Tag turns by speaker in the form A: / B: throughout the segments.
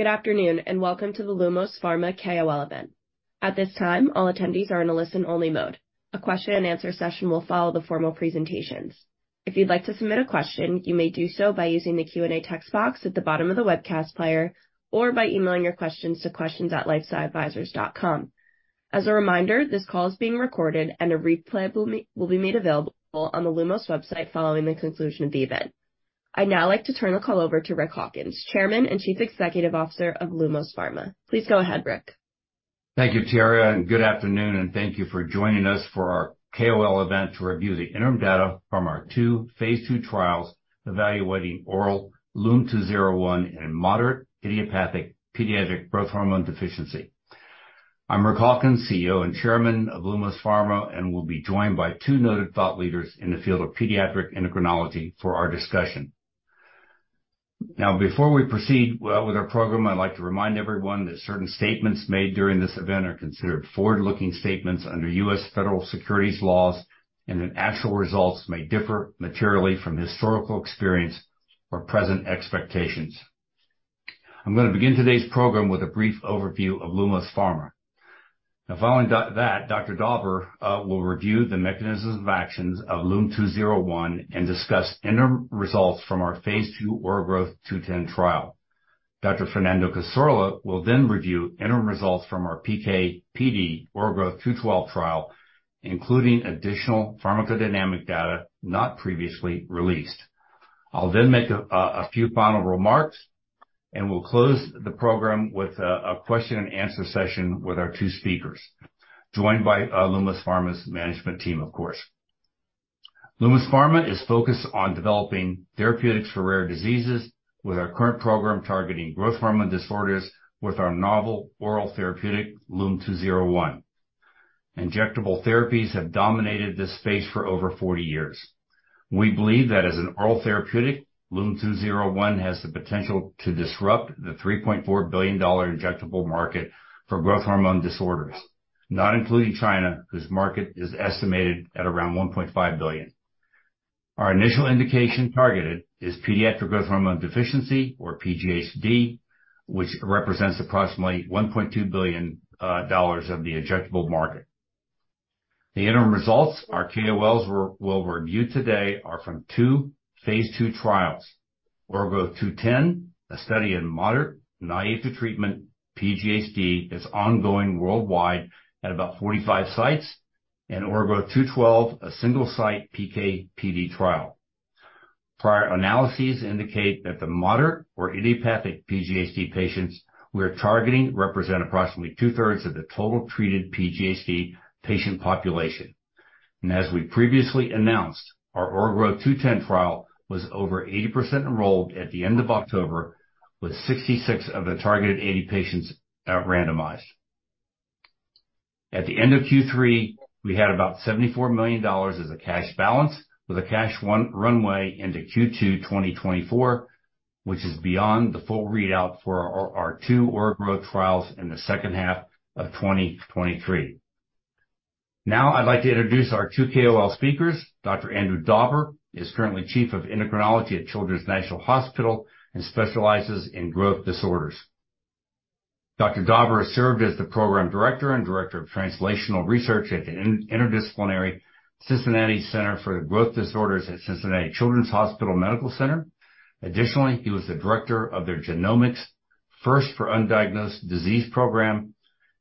A: Good afternoon, welcome to the Lumos Pharma KOL event. At this time, all attendees are in a listen-only mode. A question-and-answer session will follow the formal presentations. If you'd like to submit a question, you may do so by using the Q&A text box at the bottom of the webcast player or by emailing your questions to questions@lifesciadvisors.com. As a reminder, this call is being recorded, a replay will be made available on the Lumos website following the conclusion of the event. I'd now like to turn the call over to Rick Hawkins, Chairman and Chief Executive Officer of Lumos Pharma. Please go ahead, Rick.
B: Thank you, Tiara. Good afternoon, and thank you for joining us for our KOL event to review the interim data from our 2 phase 2 trials evaluating oral LUM-201 in moderate idiopathic Pediatric Growth Hormone Deficiency. I'm Rick Hawkins, CEO and Chairman of Lumos Pharma. Will be joined by 2 noted thought leaders in the field of pediatric endocrinology for our discussion. Before we proceed with our program, I'd like to remind everyone that certain statements made during this event are considered forward-looking statements under U.S. federal securities laws and that actual results may differ materially from historical experience or present expectations. I'm gonna begin today's program with a brief overview of Lumos Pharma. Following that, Dr. Dauber will review the mechanisms of actions of LUM-201 and discuss interim results from our Phase 2 OraGrowtH210 trial. Dr. Fernando Cassorla will review interim results from our PK/PD OraGrowtH212 trial, including additional pharmacodynamic data not previously released. I'll make a few final remarks, we'll close the program with a question and answer session with our two speakers, joined by Lumos Pharma's management team, of course. Lumos Pharma is focused on developing therapeutics for rare diseases with our current program targeting growth hormone disorders with our novel oral therapeutic LUM-201. Injectable therapies have dominated this space for over 40 years. We believe that as an oral therapeutic, LUM-201 has the potential to disrupt the $3.4 billion injectable market for growth hormone disorders, not including China, whose market is estimated at around $1.5 billion. Our initial indication targeted is Pediatric Growth Hormone Deficiency or PGHD, which represents approximately $1.2 billion of the injectable market. The interim results our KOLs will review today are from 2 phase 2 trials. OraGrowtH210, a study in moderate, naive to treatment PGHD, is ongoing worldwide at about 45 sites. OraGrowtH212, a single-site PK/PD trial. Prior analyses indicate that the moderate or idiopathic PGHD patients we are targeting represent approximately two-thirds of the total treated PGHD patient population. As we previously announced, our OraGrowtH210 trial was over 80% enrolled at the end of October, with 66 of the targeted 80 patients randomized. At the end of Q3, we had about $74 million as a cash balance, with a cash one runway into Q2 2024, which is beyond the full readout for our two OraGrowtH trials in the second half of 2023. I'd like to introduce our two KOL speakers. Dr. Andrew Dauber is currently chief of endocrinology at Children's National Hospital and specializes in growth disorders. Dr. Dauber has served as the program director and director of Translational Research at the Interdisciplinary Cincinnati Center for Growth Disorders at Cincinnati Children's Hospital Medical Center. Additionally, he was the director of their Genomics First for Undiagnosed Disease program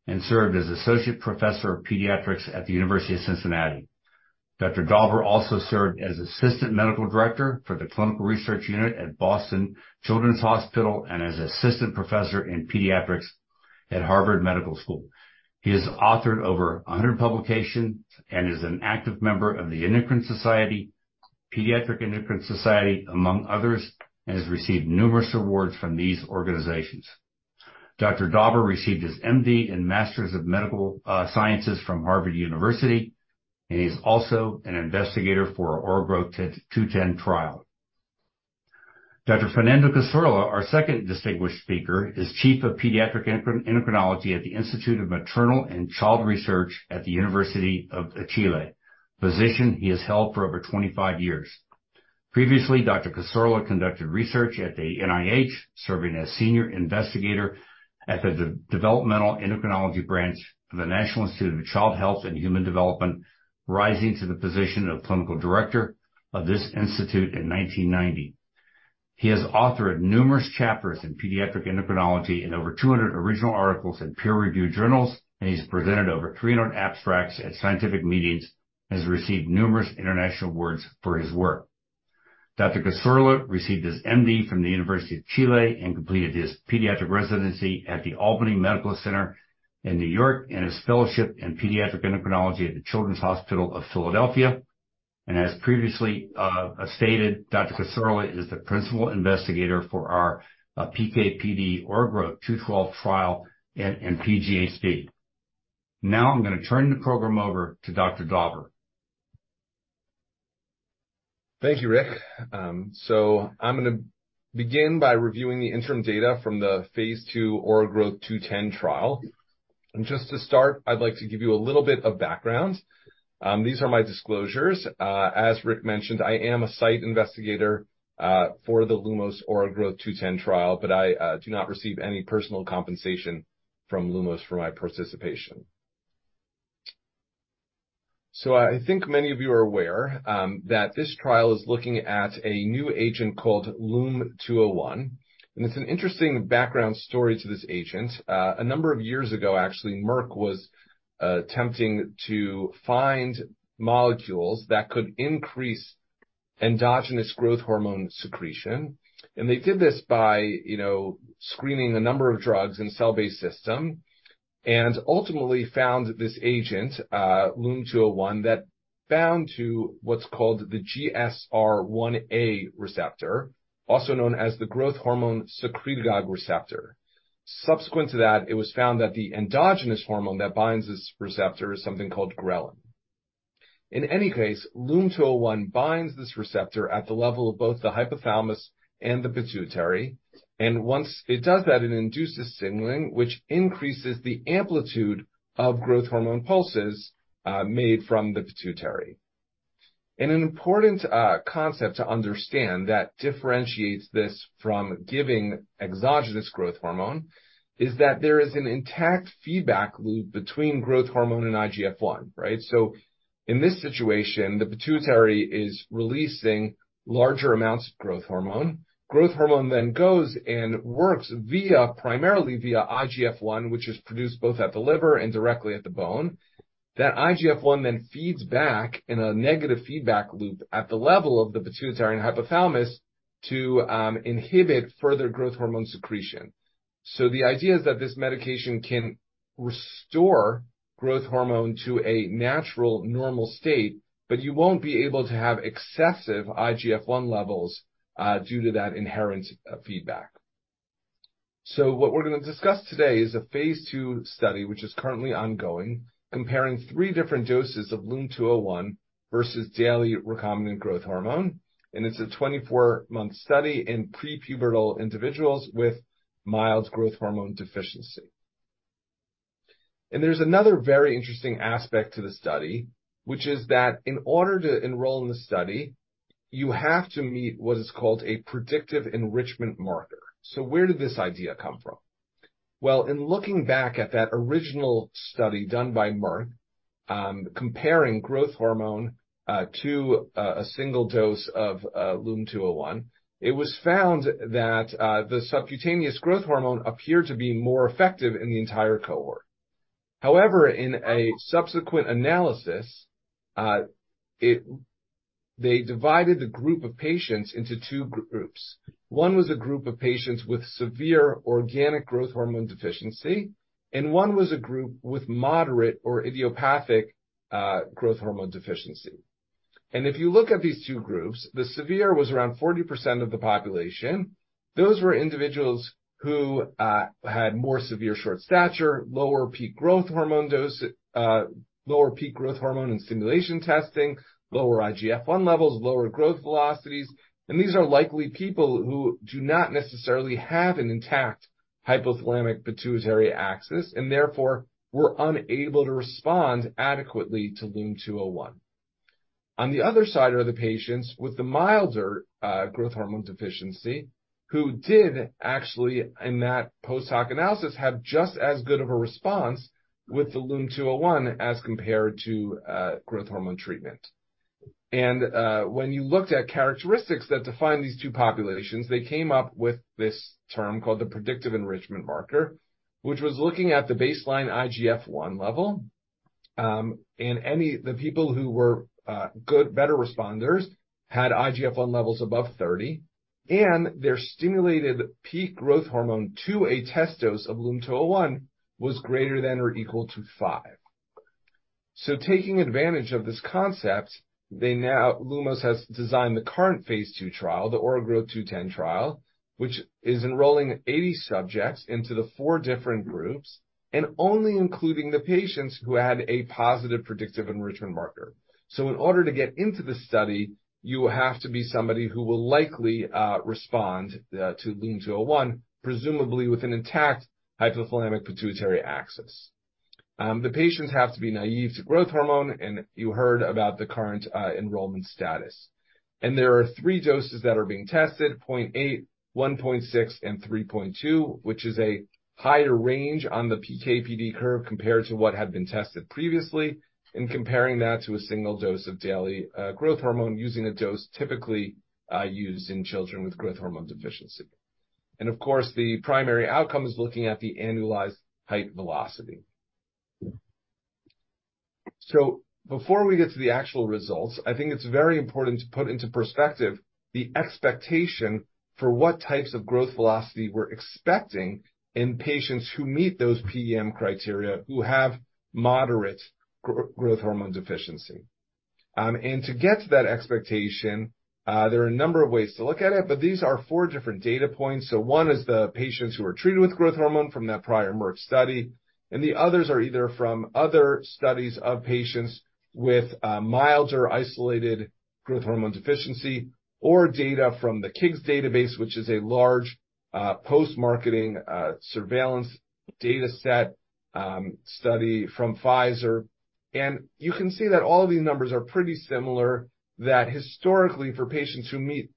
B: and served as associate professor of pediatrics at the University of Cincinnati. Dr. Dauber also served as Assistant Medical Director for the Clinical Research Unit at Boston Children's Hospital and as Assistant Professor in Pediatrics at Harvard Medical School. He has authored over 100 publications and is an active member of the Endocrine Society, Pediatric Endocrine Society, among others, and has received numerous awards from these organizations. Dr. Dauber received his MD in Masters of Medical Sciences from Harvard University, and he's also an investigator for our OraGrowtH210 trial. Dr. Fernando Cassorla, our second distinguished speaker, is Chief of Pediatric Endocrinology at the Institute of Maternal and Child Research at the University of Chile, position he has held for over 25 years. Previously, Dr. Cassorla conducted research at the NIH, serving as Senior Investigator at the Developmental Endocrinology Branch of the National Institute of Child Health and Human Development, rising to the position of Clinical Director of this institute in 1990. He has authored numerous chapters in pediatric endocrinology and over 200 original articles in peer-reviewed journals, he's presented over 300 abstracts at scientific meetings and has received numerous international awards for his work. Dr. Cassorla received his MD from the University of Chile and completed his pediatric residency at the Albany Medical Center in New York and his fellowship in pediatric endocrinology at the Children's Hospital of Philadelphia. As previously stated, Dr. Cassorla is the principal investigator for our PK/PD OraGrowtH212 trial in PGHD. Now I'm gonna turn the program over to Dr. Dauber.
C: Thank you, Rick. I'm gonna begin by reviewing the interim data from the phase 2 OraGrowtH210 trial. Just to start, I'd like to give you a little bit of background. These are my disclosures. As Rick mentioned, I am a site investigator for the Lumos OraGrowtH210 trial, but I do not receive any personal compensation from Lumos for my participation. I think many of you are aware that this trial is looking at a new agent called LUM-201, and it's an interesting background story to this agent. A number of years ago, actually, Merck was attempting to find molecules that could increase endogenous growth hormone secretion. They did this by, you know, screening a number of drugs in cell-based system and ultimately found this agent, LUM-201, that bound to what's called the GHSR1a receptor, also known as the growth hormone secretagogue receptor. Subsequent to that, it was found that the endogenous hormone that binds this receptor is something called ghrelin. In any case, LUM-201 binds this receptor at the level of both the hypothalamus and the pituitary, and once it does that, it induces signaling, which increases the amplitude of growth hormone pulses made from the pituitary. An important concept to understand that differentiates this from giving exogenous growth hormone is that there is an intact feedback loop between growth hormone and IGF-I. Right? In this situation, the pituitary is releasing larger amounts of growth hormone. Growth hormone goes and works primarily via IGF-I, which is produced both at the liver and directly at the bone. That IGF-I then feeds back in a negative feedback loop at the level of the pituitary and hypothalamus to inhibit further growth hormone secretion. The idea is that this medication can restore growth hormone to a natural normal state, but you won't be able to have excessive IGF-I levels due to that inherent feedback. What we're gonna discuss today is a phase 2 study, which is currently ongoing, comparing three different doses of LUM-201 versus daily recombinant growth hormone. It's a 24-month study in prepubertal individuals with mild growth hormone deficiency. There's another very interesting aspect to the study, which is that in order to enroll in the study, you have to meet what is called a predictive enrichment marker. Where did this idea come from? Well, in looking back at that original study done by Merck, comparing growth hormone to a single dose of LUM-201, it was found that the subcutaneous growth hormone appeared to be more effective in the entire cohort. However, in a subsequent analysis, they divided the group of patients into two groups. One was a group of patients with severe organic growth hormone deficiency, and one was a group with moderate or idiopathic growth hormone deficiency. If you look at these two groups, the severe was around 40% of the population. Those were individuals who had more severe short stature, lower peak growth hormone dose, lower peak growth hormone and stimulation testing, lower IGF-I levels, lower growth velocities. These are likely people who do not necessarily have an intact hypothalamic pituitary axis and therefore were unable to respond adequately to LUM-201. On the other side are the patients with the milder growth hormone deficiency who did actually, in that post-hoc analysis, have just as good of a response with the LUM-201 as compared to growth hormone treatment. When you looked at characteristics that define these two populations, they came up with this term called the predictive enrichment marker, which was looking at the baseline IGF-I level, the people who were better responders had IGF-I levels above 30, and their stimulated peak growth hormone to a test dose of LUM-201 was greater than or equal to 5. Taking advantage of this concept, Lumos has designed the current phase 2 trial, the OraGrowtH210 trial, which is enrolling 80 subjects into the 4 different groups and only including the patients who had a positive predictive enrichment marker. In order to get into the study, you will have to be somebody who will likely respond to LUM-201, presumably with an intact hypothalamic pituitary axis. The patients have to be naive to growth hormone, and you heard about the current enrollment status. There are 3 doses that are being tested, 0.8, 1.6, and 3.2, which is a higher range on the PK/PD curve compared to what had been tested previously, and comparing that to a single dose of daily growth hormone using a dose typically used in children with growth hormone deficiency. Of course, the primary outcome is looking at the annualized height velocity. Before we get to the actual results, I think it's very important to put into perspective the expectation for what types of growth velocity we're expecting in patients who meet those PEM criteria who have moderate growth hormone deficiency. To get to that expectation, there are a number of ways to look at it, but these are 4 different data points. 1 is the patients who are treated with growth hormone from that prior Merck study, and the others are either from other studies of patients with milder isolated growth hormone deficiency or data from the KIGS database, which is a large post-marketing surveillance data set study from Pfizer. You can see that all of these numbers are pretty similar, that historically, for patients who meet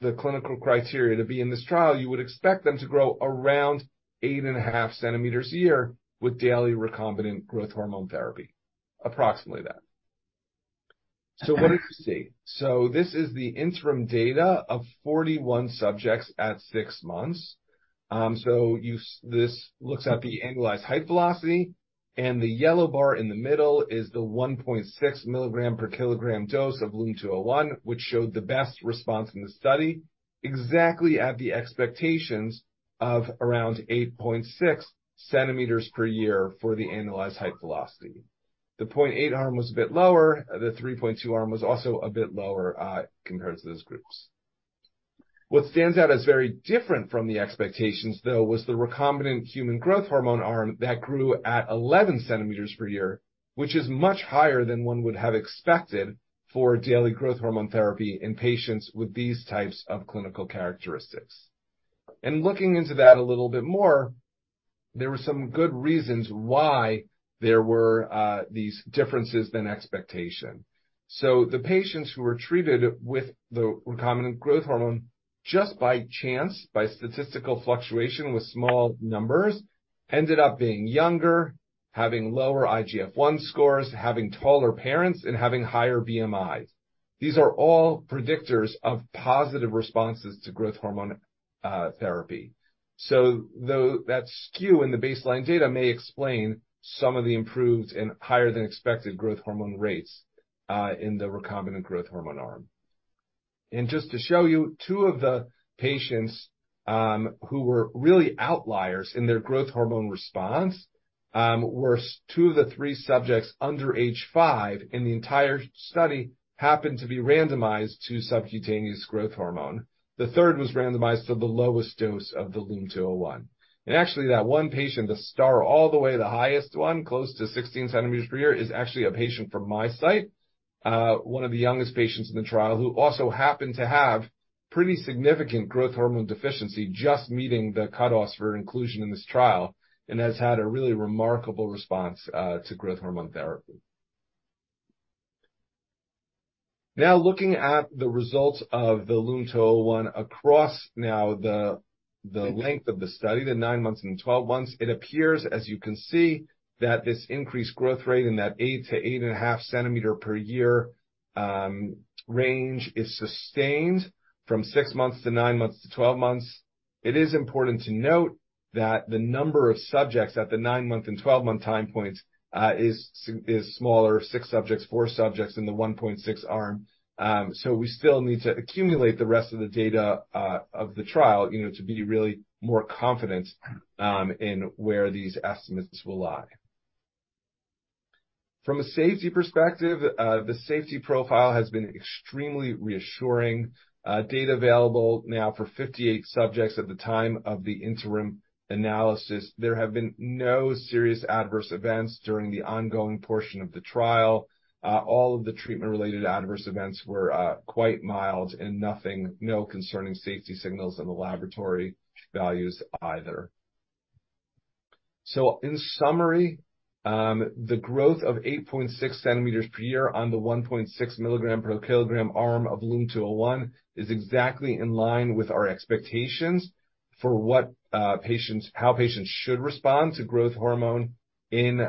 C: the clinical criteria to be in this trial, you would expect them to grow around 8.5 centimeters a year with daily recombinant growth hormone therapy. Approximately that. What did you see? This is the interim data of 41 subjects at 6 months. This looks at the annualized height velocity, and the yellow bar in the middle is the 1.6 milligram per kilogram dose of LUM-201, which showed the best response in the study, exactly at the expectations of around 8.6 centimeters per year for the annualized height velocity. The 0.8 arm was a bit lower. The 3.2 arm was also a bit lower compared to those groups. What stands out as very different from the expectations, though, was the recombinant human growth hormone arm that grew at 11 centimeters per year, which is much higher than one would have expected for daily growth hormone therapy in patients with these types of clinical characteristics. Looking into that a little bit more, there were these differences than expectation. The patients who were treated with the recombinant growth hormone just by chance, by statistical fluctuation with small numbers, ended up being younger, having lower IGF-1 scores, having taller parents, and having higher BMIs. These are all predictors of positive responses to growth hormone therapy. Though that skew in the baseline data may explain some of the improved and higher than expected growth hormone rates in the recombinant growth hormone arm. Just to show you, 2 of the patients, who were really outliers in their growth hormone response, were 2 of the 3 subjects under age 5, and the entire study happened to be randomized to subcutaneous growth hormone. The 3rd was randomized to the lowest dose of the LUM-201. Actually that 1 patient, the star all the way, the highest 1, close to 16 centimeters per year, is actually a patient from my site, 1 of the youngest patients in the trial, who also happened to have pretty significant growth hormone deficiency, just meeting the cut-offs for inclusion in this trial and has had a really remarkable response, to growth hormone therapy. Looking at the results of the LUM-201 across the length of the study, the nine months and 12 months, it appears, as you can see, that this increased growth rate in that 8 to 8.5 centimeter per year range is sustained from six months to nine months to 12 months. It is important to note that the number of subjects at the nine-month and 12-month time points is smaller, six subjects, four subjects in the 1.6 arm. We still need to accumulate the rest of the data of the trial, you know, to be really more confident in where these estimates will lie. From a safety perspective, the safety profile has been extremely reassuring. Data available now for 58 subjects at the time of the interim analysis, there have been no serious adverse events during the ongoing portion of the trial. All of the treatment-related adverse events were quite mild and nothing, no concerning safety signals in the laboratory values either. In summary, the growth of 8.6 centimeters per year on the 1.6 milligram per kilogram arm of LUM-201 is exactly in line with our expectations for what patients should respond to growth hormone in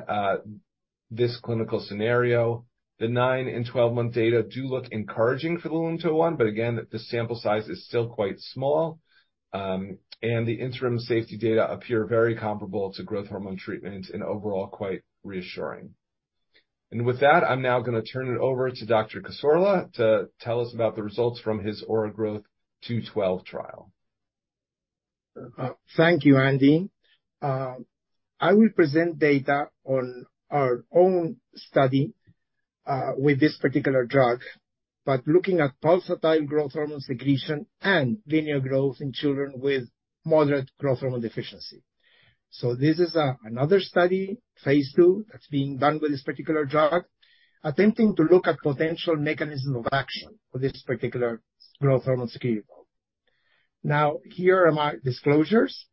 C: this clinical scenario. The 9 and 12-month data do look encouraging for the LUM-201, but again, the sample size is still quite small. The interim safety data appear very comparable to growth hormone treatment and overall quite reassuring. With that, I'm now gonna turn it over to Dr. Cassorla to tell us about the results from his OraGrowtH212 trial.
D: Thank you, Andy. I will present data on our own study with this particular drug, but looking at pulsatile growth hormone secretion and linear growth in children with moderate growth hormone deficiency. This is another study, phase 2, that's being done with this particular drug, attempting to look at potential mechanism of action for this particular growth hormone security. Here are my disclosures.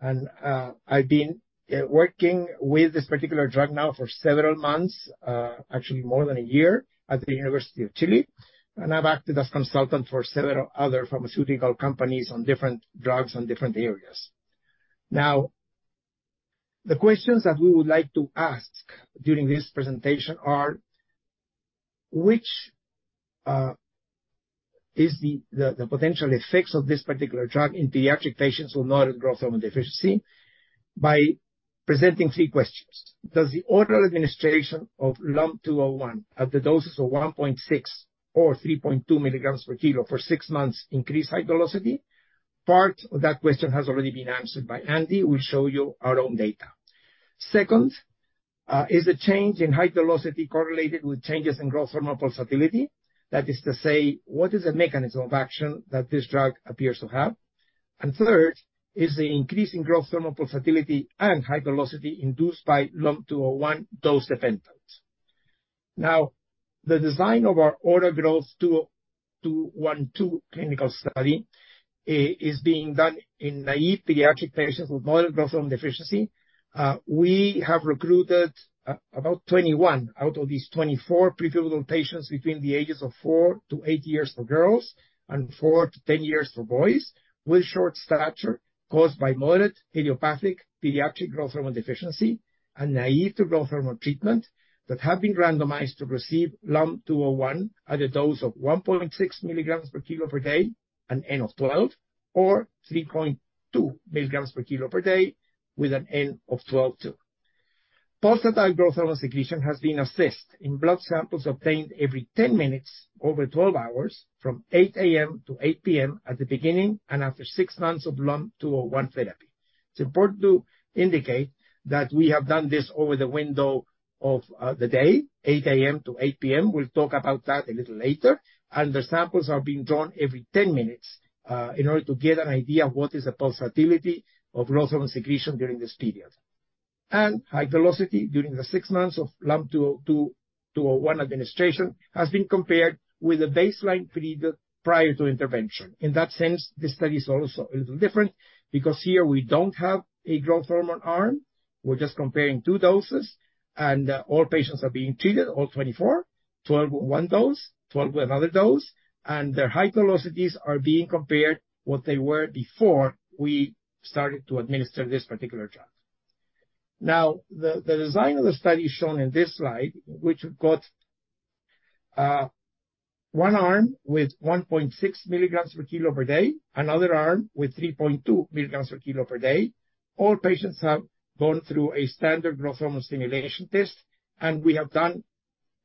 D: I've been working with this particular drug now for several months, actually more than a year at the University of Chile. I've acted as consultant for several other pharmaceutical companies on different drugs and different areas. The questions that we would like to ask during this presentation are, which is the potential effects of this particular drug in pediatric patients with moderate growth hormone deficiency by presenting three questions. Does the oral administration of LUM-201 at the doses of 1.6 or 3.2 milligrams per kilo for 6 months increase height velocity? Part of that question has already been answered by Andy. We'll show you our own data. Second, is the change in height velocity correlated with changes in growth hormone pulsatility? That is to say, what is the mechanism of action that this drug appears to have? Third, is the increase in growth hormone pulsatility and height velocity induced by LUM-201 dose dependence. The design of our OraGrowtH212 clinical study is being done in naive pediatric patients with moderate growth hormone deficiency. We have recruited about 21 out of these 24 prepubertal patients between the ages of 4 to 8 years for girls and 4 to 10 years for boys with short stature caused by moderate idiopathic Pediatric Growth Hormone Deficiency and naive to growth hormone treatment that have been randomized to receive LUM-201 at a dose of 1.6 milligrams per kilo per day, an N of 12 or 3.2 milligrams per kilo per day with an N of 12 too. Pulsatile growth hormone secretion has been assessed in blood samples obtained every 10 minutes over 12 hours from 8:00 A.M. to 8:00 P.M. at the beginning and after 6 months of LUM-201 therapy. It's important to indicate that we have done this over the window of the day, 8:00 A.M. to 8:00 P.M. We'll talk about that a little later. The samples are being drawn every 10 minutes in order to get an idea of what is the pulsatility of growth hormone secretion during this period. Height velocity during the 6 months of LUM-201 administration has been compared with a baseline period prior to intervention. In that sense, this study is also a little different because here we don't have a growth hormone arm. We're just comparing two doses, and all patients are being treated, all 24. 12 with one dose, 12 with another dose, and their height velocities are being compared what they were before we started to administer this particular drug. The design of the study shown in this slide, which we've got one arm with 1.6 milligrams per kilo per day, another arm with 3.2 milligrams per kilo per day. All patients have gone through a standard growth hormone stimulation test. We have done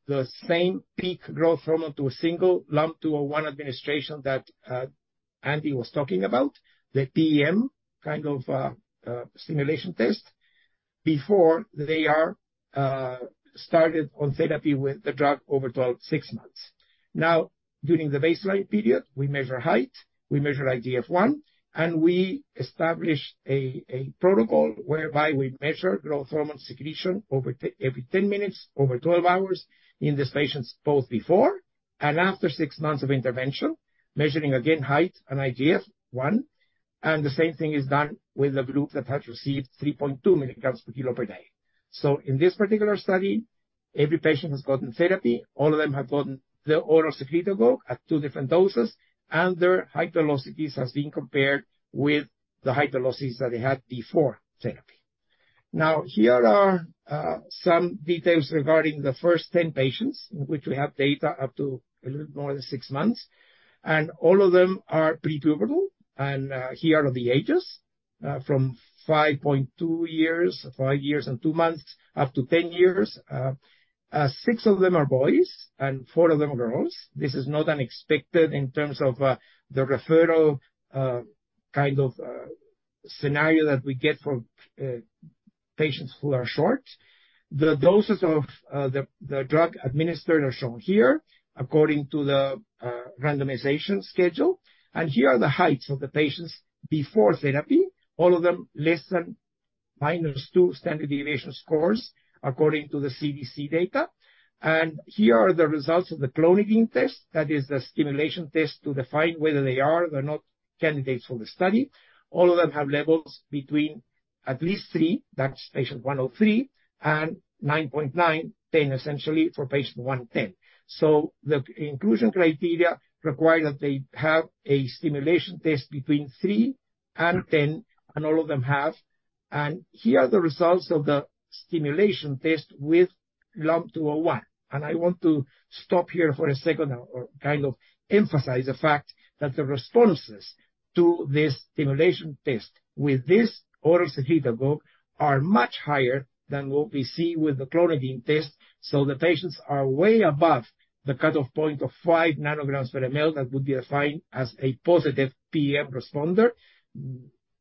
D: the same peak growth hormone to a single LUM-201 administration that Andy was talking about, the PM kind of stimulation test before they are started on therapy with the drug over 12, 6 months. Now, during the baseline period, we measure height, we measure IGF-I, and we establish a protocol whereby we measure growth hormone secretion every 10 minutes over 12 hours in these patients, both before and after 6 months of intervention, measuring again height and IGF-I. The same thing is done with the group that has received 3.2 milligrams per kilo per day. In this particular study, every patient has gotten therapy. All of them have gotten the oral secretagogue at 2 different doses. Their height velocities has been compared with the height velocities that they had before therapy. Here are some details regarding the first 10 patients in which we have data up to a little more than 6 months, and all of them are prepubertal. Here are the ages from 5.2 years, 5 years and 2 months, up to 10 years. 6 of them are boys and 4 of them are girls. This is not unexpected in terms of the referral kind of scenario that we get for patients who are short. The doses of the drug administered are shown here according to the randomization schedule. Here are the heights of the patients before therapy, all of them less than -2 standard deviation scores according to the CDC data. Here are the results of the clonidine test. That is the stimulation test to define whether they are or they're not candidates for the study. All of them have levels between at least 3, that's patient 103, and 9.9, 10 essentially for patient 110. The inclusion criteria require that they have a stimulation test between 3 and 10, and all of them have. Here are the results of the stimulation test with LUM-201. I want to stop here for a second or kind of emphasize the fact that the responses to the stimulation test with this oral secretagogue are much higher than what we see with the clonidine test. The patients are way above the cutoff point of 5 nanograms per mL that would be defined as a positive PEM responder.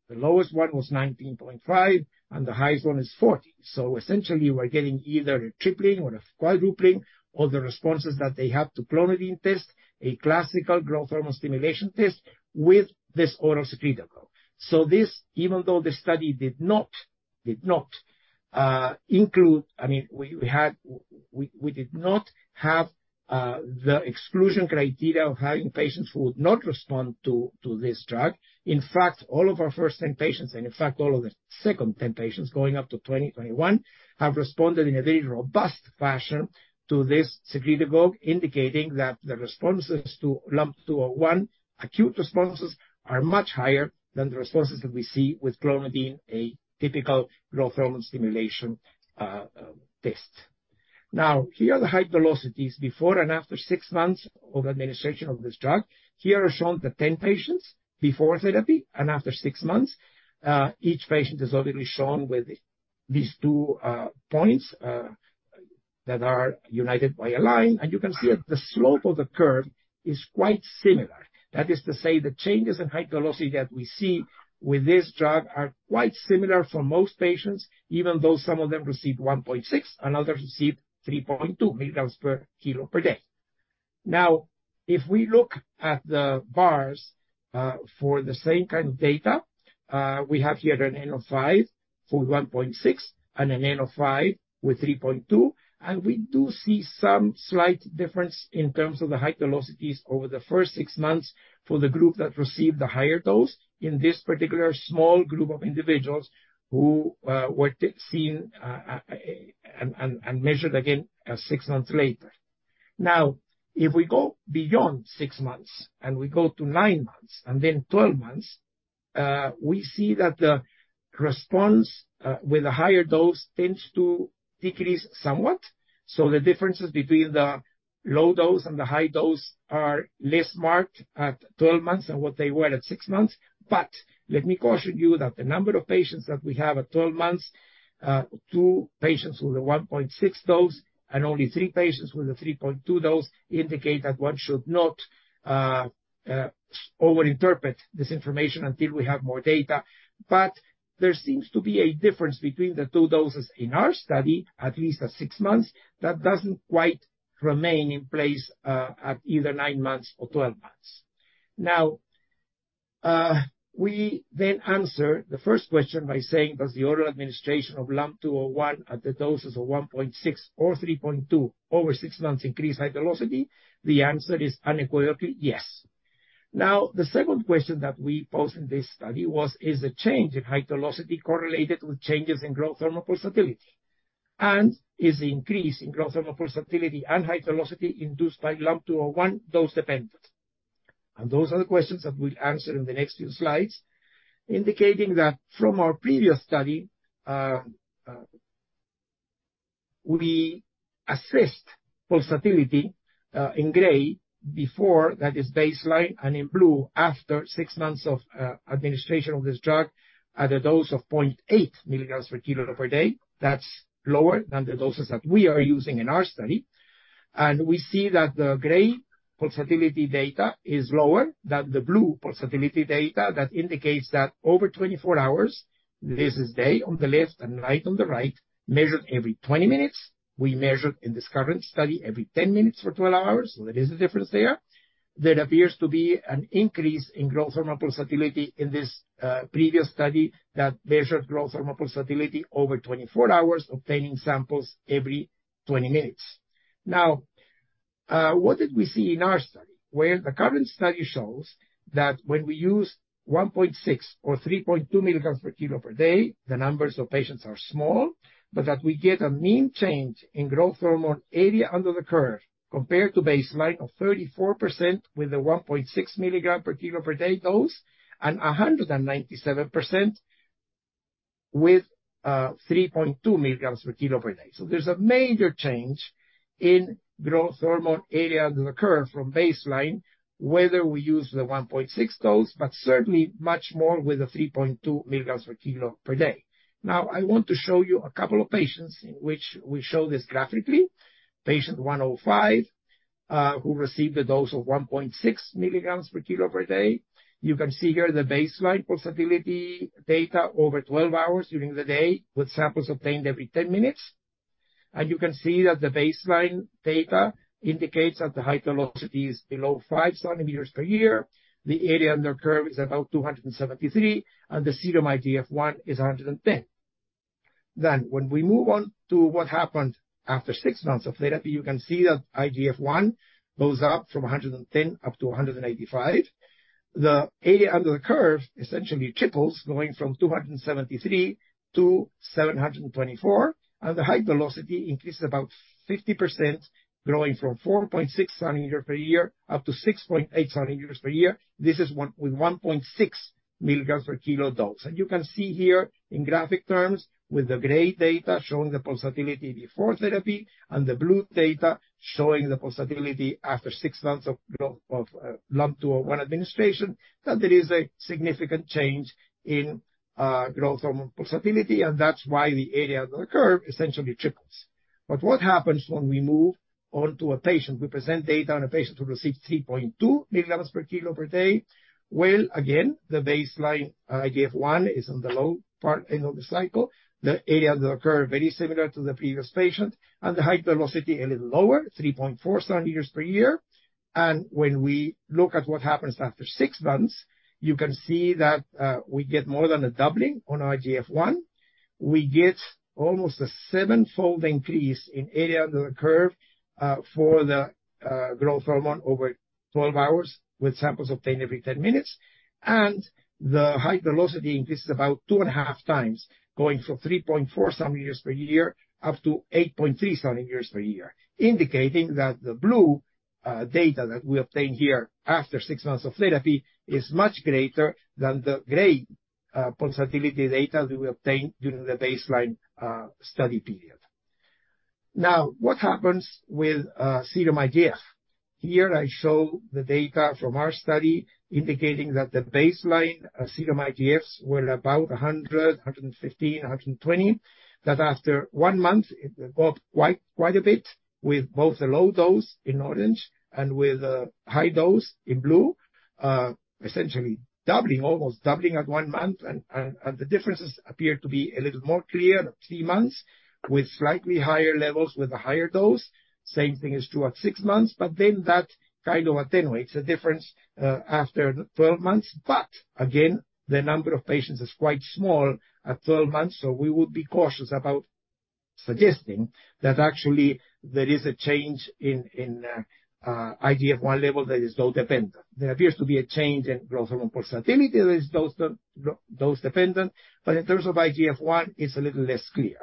D: The lowest one was 19.5 and the highest one is 40. Essentially we're getting either a tripling or a quadrupling all the responses that they have to clonidine test, a classical growth hormone stimulation test with this oral secretagogue. This even though the study did not include, I mean, we did not have the exclusion criteria of having patients who would not respond to this drug. In fact, all of our first 10 patients, and in fact all of the second 10 patients going up to 2021, have responded in a very robust fashion to this secretagogue, indicating that the responses to LUM-201, acute responses are much higher than the responses that we see with clonidine, a typical growth hormone stimulation test. Now, here are the height velocities before and after 6 months of administration of this drug. Here are shown the 10 patients before therapy and after 6 months. Each patient is obviously shown with these 2 points that are united by a line. You can see that the slope of the curve is quite similar. That is to say the changes in height velocity that we see with this drug are quite similar for most patients, even though some of them received 1.6 and others received 3.2 milligrams per kilo per day. If we look at the bars for the same kind of data, we have here an N of 5 for 1.6 and an N of 5 with 3.2, and we do see some slight difference in terms of the height velocities over the first 6 months for the group that received the higher dose in this particular small group of individuals who were seen and measured again 6 months later. If we go beyond 6 months and we go to 9 months and then 12 months, we see that the response with a higher dose tends to decrease somewhat. The differences between the low dose and the high dose are less marked at 12 months than what they were at 6 months. Let me caution you that the number of patients that we have at 12 months, 2 patients with a 1.6 dose and only 3 patients with a 3.2 dose, indicate that one should not over interpret this information until we have more data. There seems to be a difference between the two doses in our study, at least at 6 months, that doesn't quite remain in place at either 9 months or 12 months. We then answer the first question by saying, does the oral administration of LUM-201 at the doses of 1.6 or 3.2 over six months increase height velocity? The answer is unequivocally yes. The second question that we posed in this study was: Is the change in height velocity correlated with changes in growth hormone pulsatility? Is the increase in growth hormone pulsatility and height velocity induced by LUM-201 dose dependent? Those are the questions that we'll answer in the next few slides, indicating that from our previous study, we assessed pulsatility in gray before, that is baseline, and in blue, after six months of administration of this drug at a dose of 0.8 milligrams per kilo per day. That's lower than the doses that we are using in our study. We see that the gray pulsatility data is lower than the blue pulsatility data. That indicates that over 24 hours, this is day on the left and night on the right, measured every 20 minutes. We measured in this current study every 10 minutes for 12 hours, so there is a difference there. There appears to be an increase in growth hormone pulsatility in this previous study that measured growth hormone pulsatility over 24 hours, obtaining samples every 20 minutes. What did we see in our study? The current study shows that when we use 1.6 or 3.2 milligrams per kilo per day, the numbers of patients are small, but that we get a mean change in growth hormone area under the curve compared to baseline of 34% with the 1.6 milligram per kilo per day dose and 197% with 3.2 milligrams per kilo per day. There's a major change in growth hormone area under the curve from baseline, whether we use the 1.6 dose, but certainly much more with the 3.2 milligrams per kilo per day. I want to show you a couple of patients in which we show this graphically. Patient 105, who received a dose of 1.6 milligrams per kilo per day. You can see here the baseline pulsatility data over 12 hours during the day with samples obtained every 10 minutes. You can see that the baseline data indicates that the height velocity is below five centimeters per year. The area under curve is about 273, and the serum IGF-I is 110. When we move on to what happened after six months of therapy, you can see that IGF-I goes up from 110 up to 185. The area under the curve essentially triples, going from 273 to 724, and the height velocity increases about 50%, growing from 4.6 centimeters per year up to 6.8 centimeters per year. This is with 1.6 milligrams per kilo dose. You can see here in graphic terms, with the gray data showing the pulsatility before therapy and the blue data showing the pulsatility after six months of growth of LUM-201 administration, that there is a significant change in growth hormone pulsatility, and that's why the area under the curve essentially triples. What happens, we present data on a patient who receives 3.2 milligrams per kilo per day. Again, the baseline IGF-I is on the low part end of the cycle. The area under the curve, very similar to the previous patient, and the height velocity a little lower, 3.4 centimeters per year. When we look at what happens after six months, you can see that we get more than a doubling on our IGF-I. We get almost a 7-fold increase in area under the curve for the growth hormone over 12 hours with samples obtained every 10 minutes. The height velocity increases about 2.5 times, going from 3.4 centimeters per year up to 8.3 centimeters per year, indicating that the blue data that we obtained here after 6 months of therapy is much greater than the gray pulsatility data we obtained during the baseline study period. What happens with serum IGF? Here I show the data from our study indicating that the baseline serum IGFs were about 100, 115, 120, that after 1 month it went up quite a bit with both the low dose in orange and with the high dose in blue. Essentially doubling, almost doubling at 1 month. The differences appear to be a little more clear at 3 months with slightly higher levels with the higher dose. Same thing is true at 6 months, that kind of attenuates the difference after 12 months. Again, the number of patients is quite small at 12 months, we would be cautious about suggesting that actually there is a change in IGF-1 level that is dose dependent. There appears to be a change in growth hormone pulsatility that is dose dependent, but in terms of IGF-1, it's a little less clear.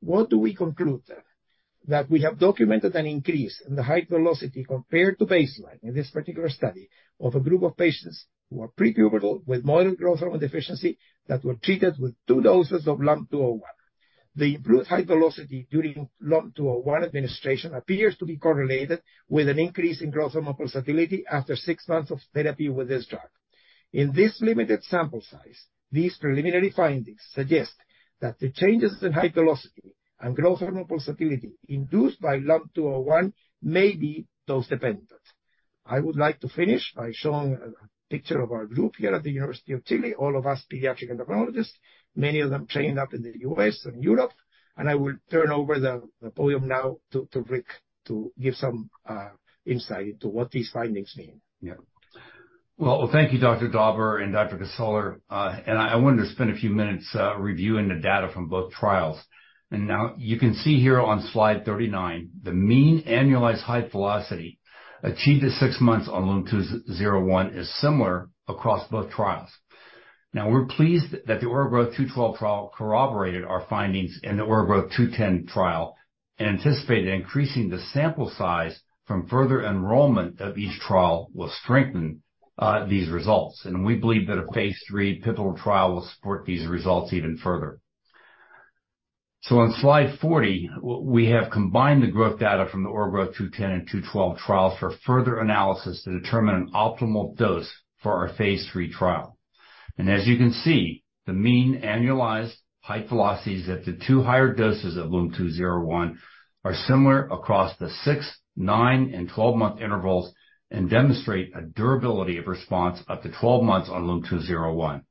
D: What do we conclude then? That we have documented an increase in the height velocity compared to baseline in this particular study of a group of patients who are pre-pubertal with moderate growth hormone deficiency that were treated with 2 doses of LUM-201. The improved height velocity during LUM-201 administration appears to be correlated with an increase in growth hormone pulsatility after 6 months of therapy with this drug. In this limited sample size, these preliminary findings suggest that the changes in height velocity and growth hormone pulsatility induced by LUM-201 may be dose dependent. I would like to finish by showing a picture of our group here at the University of Chile, all of us pediatric endocrinologists, many of them trained up in the U.S. and Europe. I will turn over the podium now to Rick to give some insight into what these findings mean. Yeah.
B: Well, thank you, Dr. Dauber and Dr. Cassorla. I wanted to spend a few minutes reviewing the data from both trials. Now you can see here on slide 39, the mean annualized height velocity achieved at 6 months on LUM-201 is similar across both trials. Now, we're pleased that the OraGrowtH212 trial corroborated our findings in the OraGrowtH210 trial and anticipate that increasing the sample size from further enrollment of each trial will strengthen these results. We believe that a phase 3 pivotal trial will support these results even further. On slide 40, we have combined the growth data from the OraGrowtH210 and 212 trials for further analysis to determine an optimal dose for our phase 3 trial. As you can see, the mean annualized height velocities at the 2 higher doses of LUM-201 are similar across the 6, 9, and 12-month intervals and demonstrate a durability of response up to 12 months on LUM-201.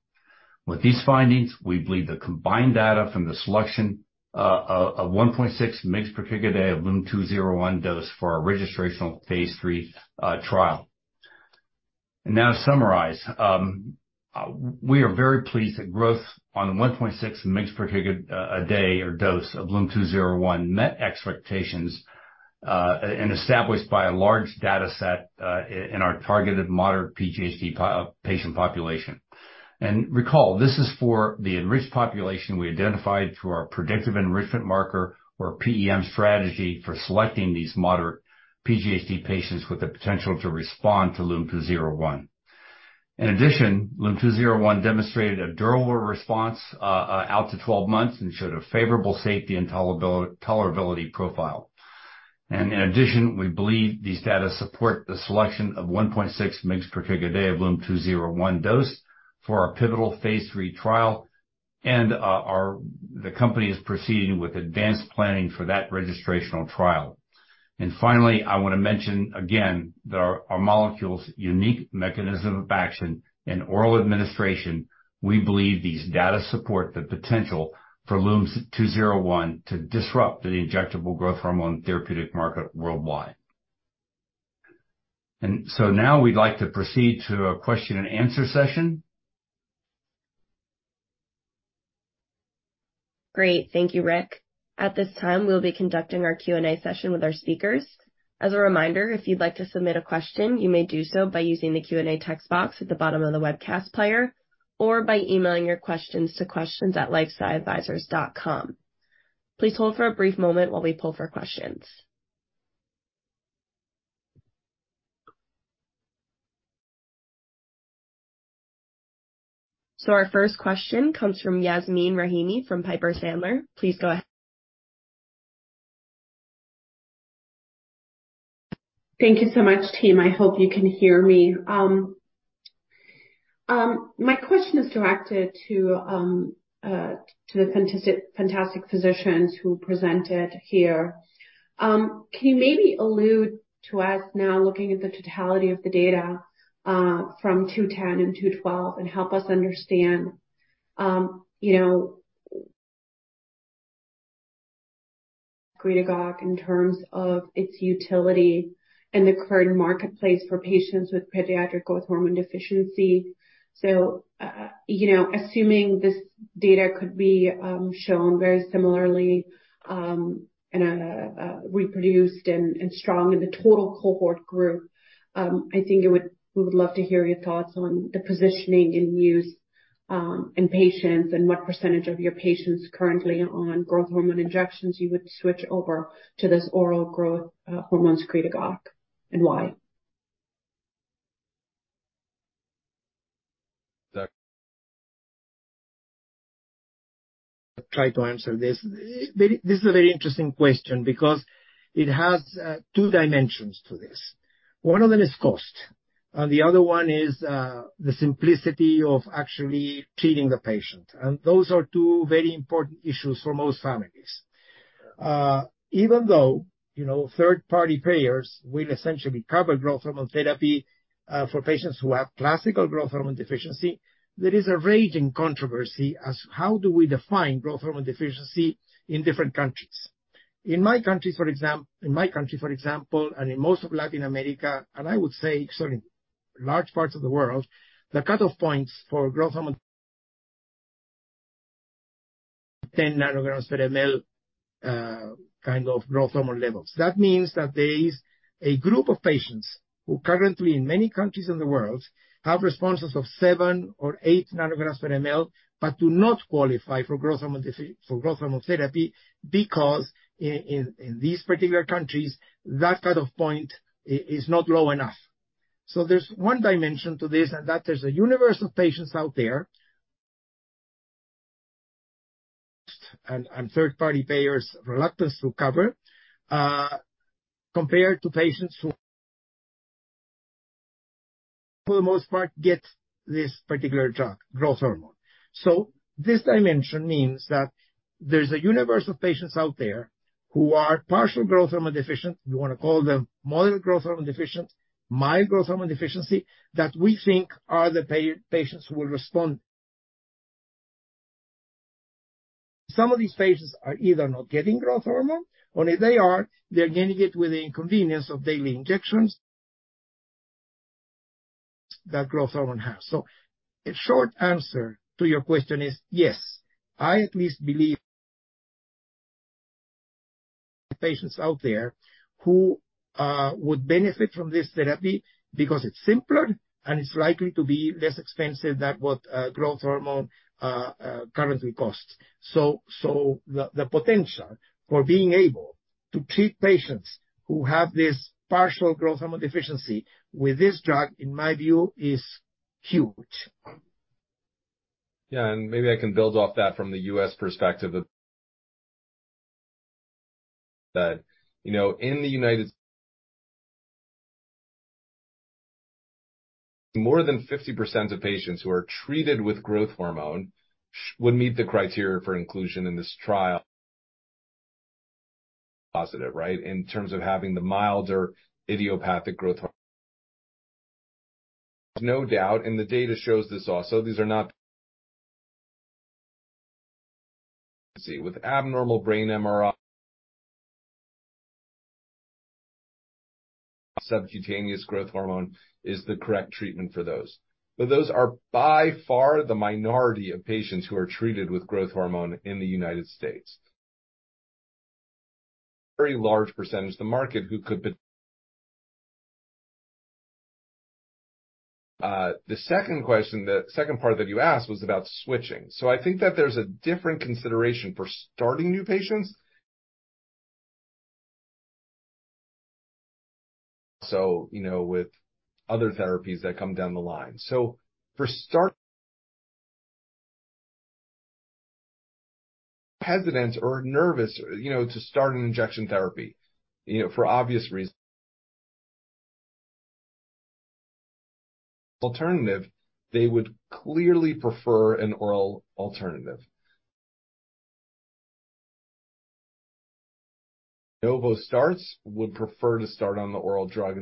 B: With these findings, we believe the combined data from the selection of 1.6 mg per kg a day of LUM-201 dose for our registrational phase 3 trial. Now to summarize. We are very pleased that growth on the 1.6 mg per kg a day dose of LUM-201 met expectations and established by a large data set in our targeted moderate PGHD patient population. Recall, this is for the enriched population we identified through our predictive enrichment marker or PEM strategy for selecting these moderate PGHD patients with the potential to respond to LUM-201. In addition, LUM-201 demonstrated a durable response out to 12 months and showed a favorable safety and tolerability profile. In addition, we believe these data support the selection of 1.6 mg per kg a day of LUM-201 dose for our pivotal phase 3 trial. The company is proceeding with advanced planning for that registrational trial. Finally, I wanna mention again that our molecule's unique mechanism of action and oral administration, we believe these data support the potential for LUM-201 to disrupt the injectable growth hormone therapeutic market worldwide. Now we'd like to proceed to a question and answer session.
A: Great. Thank you, Rick. At this time, we'll be conducting our Q&A session with our speakers. As a reminder, if you'd like to submit a question, you may do so by using the Q&A text box at the bottom of the webcast player or by emailing your questions to questions@lifesciadvisors.com. Please hold for a brief moment while we pull for questions. Our first question comes from Yasmeen Rahimi from Piper Sandler. Please go ahead.
E: Thank you so much, team. I hope you can hear me. My question is directed to the fantastic physicians who presented here. Can you maybe allude to us now looking at the totality of the data from 210 and 212 and help us understand, you know, in terms of its utility in the current marketplace for patients with Pediatric Growth Hormone Deficiency. you know, assuming this data could be shown very similarly, and reproduced and strong in the total cohort group, I think we would love to hear your thoughts on the positioning and use in patients and what % of your patients currently on growth hormone injections you would switch over to this oral growth hormone secretagogue, and why.
B: Doc-
D: Try to answer this. This is a very interesting question because it has 2 dimensions to this. One of them is cost, the other one is the simplicity of actually treating the patient. Those are 2 very important issues for most families. Even though, you know, third-party payers will essentially cover growth hormone therapy for patients who have classical growth hormone deficiency, there is a raging controversy as how do we define growth hormone deficiency in different countries. In my country, for example, in most of Latin America, I would say so in large parts of the world, the cutoff points for growth hormone 10 nanograms per ml, kind of growth hormone levels. That means that there is a group of patients who currently, in many countries in the world, have responses of 7 or 8 nanograms per ml, but do not qualify for growth hormone therapy because in these particular countries, that kind of point is not low enough. There's one dimension to this, and that there's a universe of patients out there and third-party payers reluctant to cover, compared to patients who for the most part get this particular drug, growth hormone. This dimension means that there's a universe of patients out there who are partial growth hormone deficient, you wanna call them moderate growth hormone deficient, mild growth hormone deficiency, that we think are the patients who will respond. Some of these patients are either not getting growth hormone, or if they are, they're getting it with the inconvenience of daily injections that growth hormone has. A short answer to your question is yes. I at least believe patients out there who would benefit from this therapy because it's simpler and it's likely to be less expensive than what growth hormone currently costs. The potential for being able to treat patients who have this partial growth hormone deficiency with this drug, in my view, is huge.
C: Yeah. Maybe I can build off that from the U.S. perspective that, you know, in the United more than 50% of patients who are treated with growth hormone would meet the criteria for inclusion in this trial positive, right? In terms of having the milder idiopathic growth hormone. No doubt, the data shows this also, these are not. See, with abnormal brain MRI. Subcutaneous growth hormone is the correct treatment for those. Those are by far the minority of patients who are treated with growth hormone in the United States. Very large percentage of the market who could. The second question, the second part that you asked was about switching. I think that there's a different consideration for starting new patients. You know, with other therapies that come down the line. For. Hesitant or nervous, you know, to start an injection therapy, you know, for obvious reasons alternative, they would clearly prefer an oral alternative. Novo starts would prefer to start on the oral drug.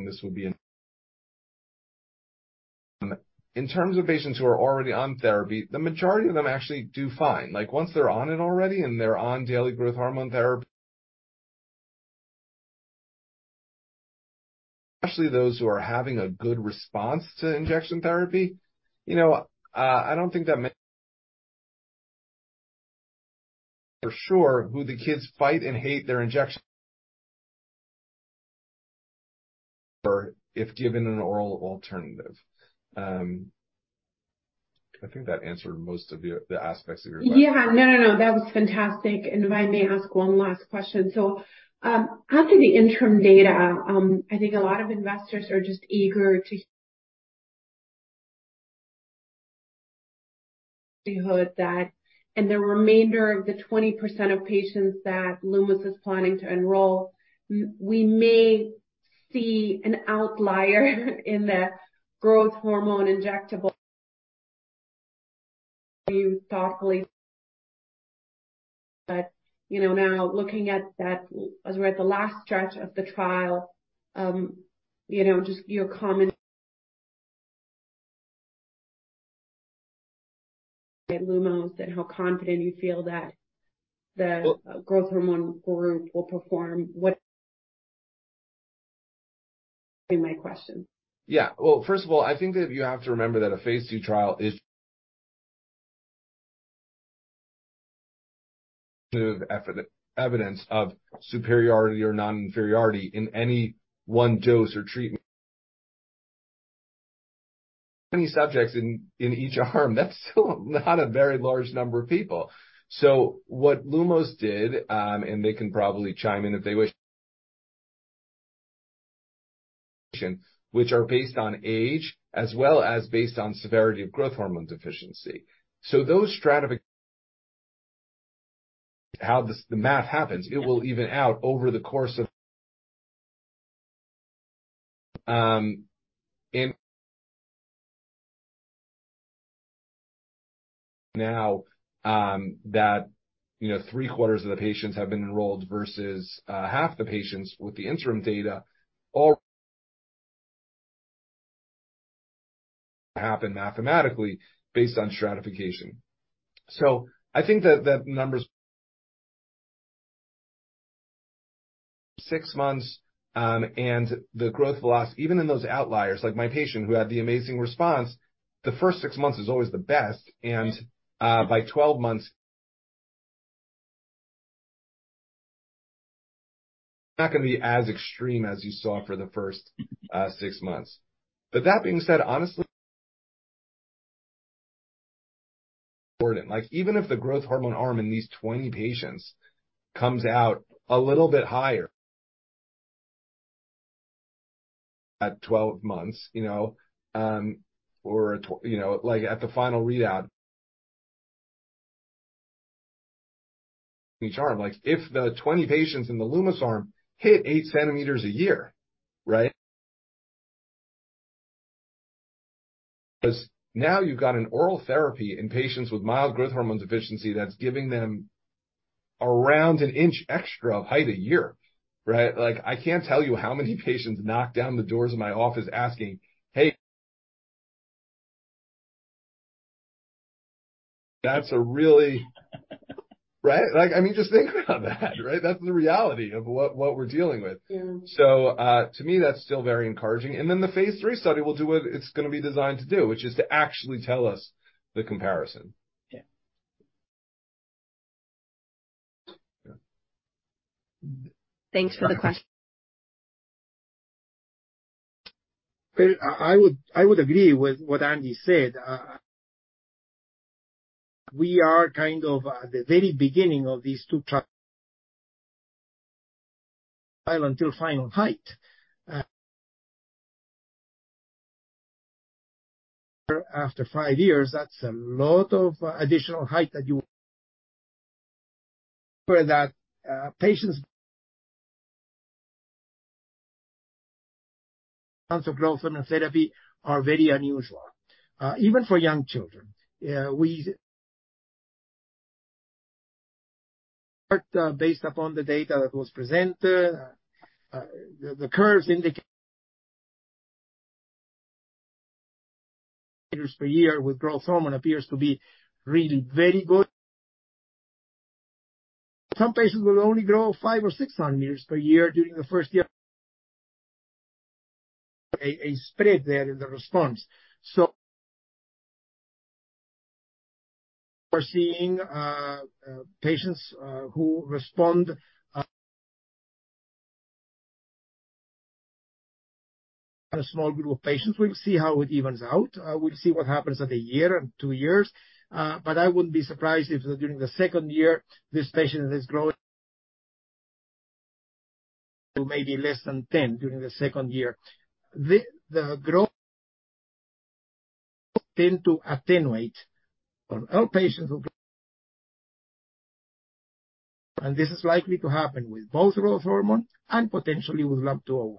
C: In terms of patients who are already on therapy, the majority of them actually do fine. Like, once they're on it already and they're on daily growth hormone therapy especially those who are having a good response to injection therapy, you know, I don't think that many. For sure, who the kids fight and hate their injections. If given an oral alternative. I think that answered most of the aspects of your question.
E: Yeah. No, no. That was fantastic. If I may ask one last question. After the interim data, I think a lot of investors are just eager to hear that in the remainder of the 20% of patients that Lumos is planning to enroll, we may see an outlier in the growth hormone injectable thoughtfully. You know, now looking at that, as we're at the last stretch of the trial, you know, just your comment at Lumos and how confident you feel that.
C: Well-
E: growth hormone group will perform. Be my question.
C: Yeah. Well, first of all, I think that you have to remember that a phase 2 trial is evidence of superiority or non-inferiority in any one dose or treatment. Many subjects in each arm, that's still not a very large number of people. What Lumos did, and they can probably chime in if they wish, which are based on age as well as based on severity of growth hormone deficiency. How this, the math happens, it will even out over the course of. Now, that, you know, three-quarters of the patients have been enrolled versus half the patients with the interim data or happen mathematically based on stratification. I think that the numbers 6 months, and the growth velocity even in those outliers, like my patient who had the amazing response, the first 6 months is always the best, and by 12 months, it's not going to be as extreme as you saw for the first 6 months. That being said, honestly, important. Like, even if the growth hormone arm in these 20 patients comes out a little bit higher at 12 months, you know, or at, you know. Like, at the final readout. Each arm, like, if the 20 patients in the Lumos arm hit 8 centimeters a year, right? Because now you've got an oral therapy in patients with mild growth hormone deficiency that's giving them around 1 inch extra of height a year, right? Like, I can't tell you how many patients knocked down the doors of my office asking, "Hey, that's a really..." Right? Like, I mean, just think about that, right? That's the reality of what we're dealing with.
E: Yeah.
C: to me, that's still very encouraging. The phase three study will do what it's gonna be designed to do, which is to actually tell us the comparison.
E: Yeah.
C: Yeah.
A: Thanks for the question.
D: Well, I would agree with what Andy said. We are kind of at the very beginning of these 2 trial until final height. After 5 years, that's a lot of additional height. Tons of growth and therapy are very unusual, even for young children. Based upon the data that was presented, the curves. Meters per year with growth hormone appears to be really very good. Some patients will only grow 5 or 6 cm per year during the first year. A spread there in the response. We're seeing patients. On a small group of patients. We'll see how it evens out. We'll see what happens at a year and 2 years. I wouldn't be surprised if during the second year, this patient is growing to maybe less than 10 during the second year. The growth tends to attenuate on all patients. This is likely to happen with both growth hormone and potentially with LUM-201.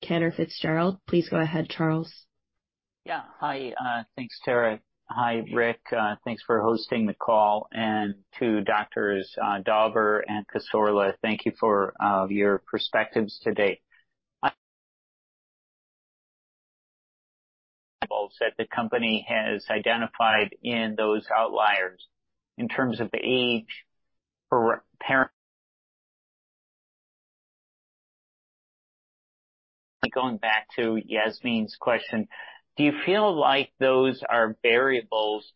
A: Cantor Fitzgerald. Please go ahead, Charles.
F: Yeah. Hi. Thanks, Tara. Hi, Rick. Thanks for hosting the call. To Doctors Dauber and Cassorla, thank you for your perspectives today. Said the company has identified in those outliers in terms of the age or parent... Going back to Yasmeen's question, do you feel like those are variables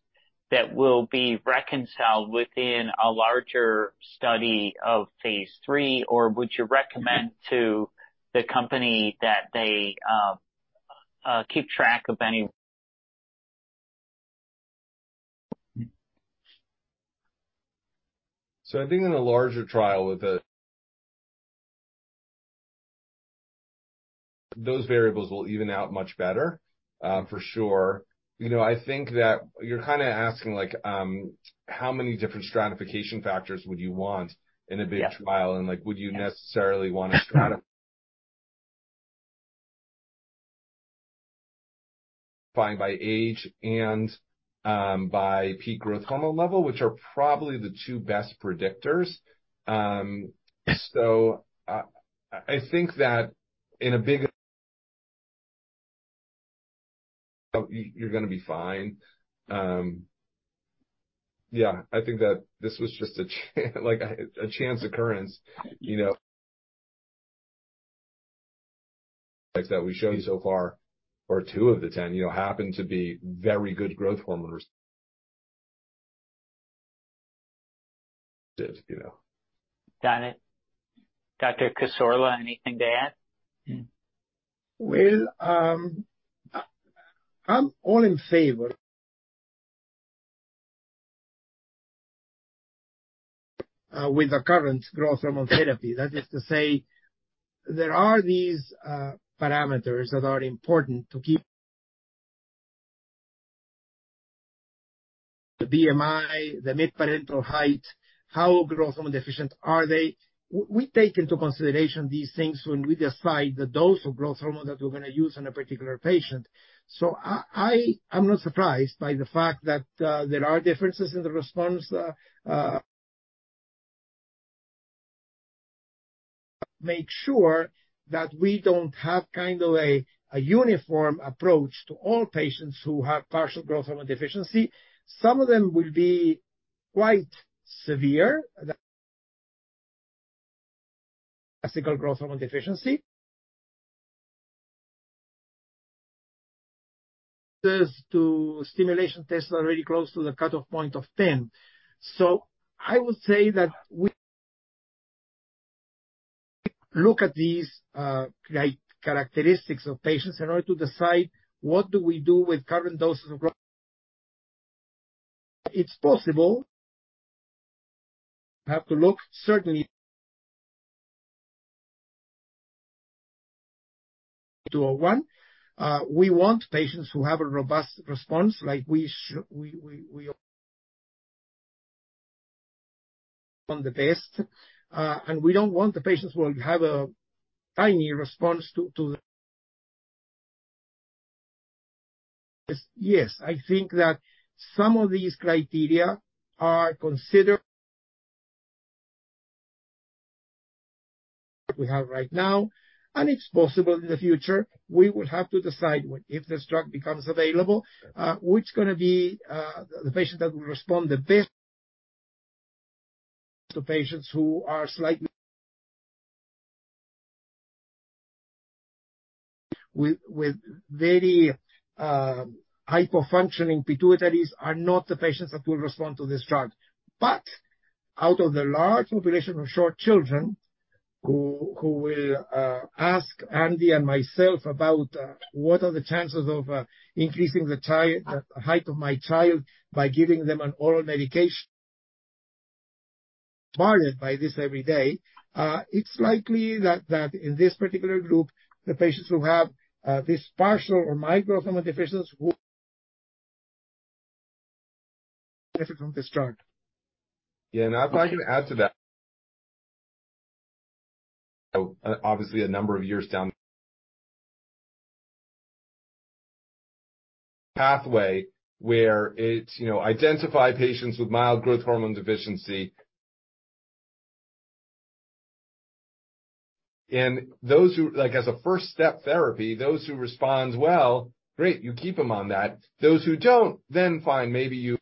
F: that will be reconciled within a larger study of phase 3, or would you recommend to the company that they keep track of any?
C: I think in a larger trial Those variables will even out much better, for sure. You know, I think that you're kinda asking like, how many different stratification factors would you want in a big trial?
F: Yeah.
C: Like, would you necessarily want to stratify by age and by peak growth hormone level, which are probably the two best predictors. I think that in a big... You're gonna be fine. Yeah, I think that this was just a chance... Like a chance occurrence, you know. Like that we showed you so far, or two of the 10, you know, happen to be very good growth hormone, you know.
F: Got it. Dr. Cassorla, anything to add?
C: I'm all in favor. With the current growth hormone therapy. That is to say, there are these parameters that are important.
D: The BMI, the midparental height, how growth hormone deficient are they? We take into consideration these things when we decide the dose of growth hormone that we're gonna use on a particular patient. I'm not surprised by the fact that there are differences in the response. Make sure that we don't have kind of a uniform approach to all patients who have partial growth hormone deficiency. Some of them will be quite severe. Classical growth hormone deficiency. To stimulation tests already close to the cutoff point of 10. I would say that we look at these, like, characteristics of patients in order to decide what do we do with current doses of growth. It's possible. We have to look certainly. LUM-201. We want patients who have a robust response, like we. On the best, and we don't want the patients who have a tiny response to... Yes. Yes, I think that some of these criteria are considered. We have right now, and it's possible in the future, we will have to decide when if this drug becomes available, which gonna be, the patients that will respond the best. The patients who are slightly... With, with very, hypofunctioning pituitaries are not the patients that will respond to this drug. Out of the large population of short children who will ask Andy and myself about, what are the chances of increasing the height of my child by giving them an oral medication. Targeted by this every day. It's likely that in this particular group, the patients who have, this partial or micro hormone deficiencies who... Benefit from this drug.
C: Yeah. If I can add to that. Obviously a number of years down... Pathway where it, you know, identify patients with mild growth hormone deficiency. Those who, like, as a first step therapy, those who responds well, great, you keep them on that. Those who don't, then fine, maybe you.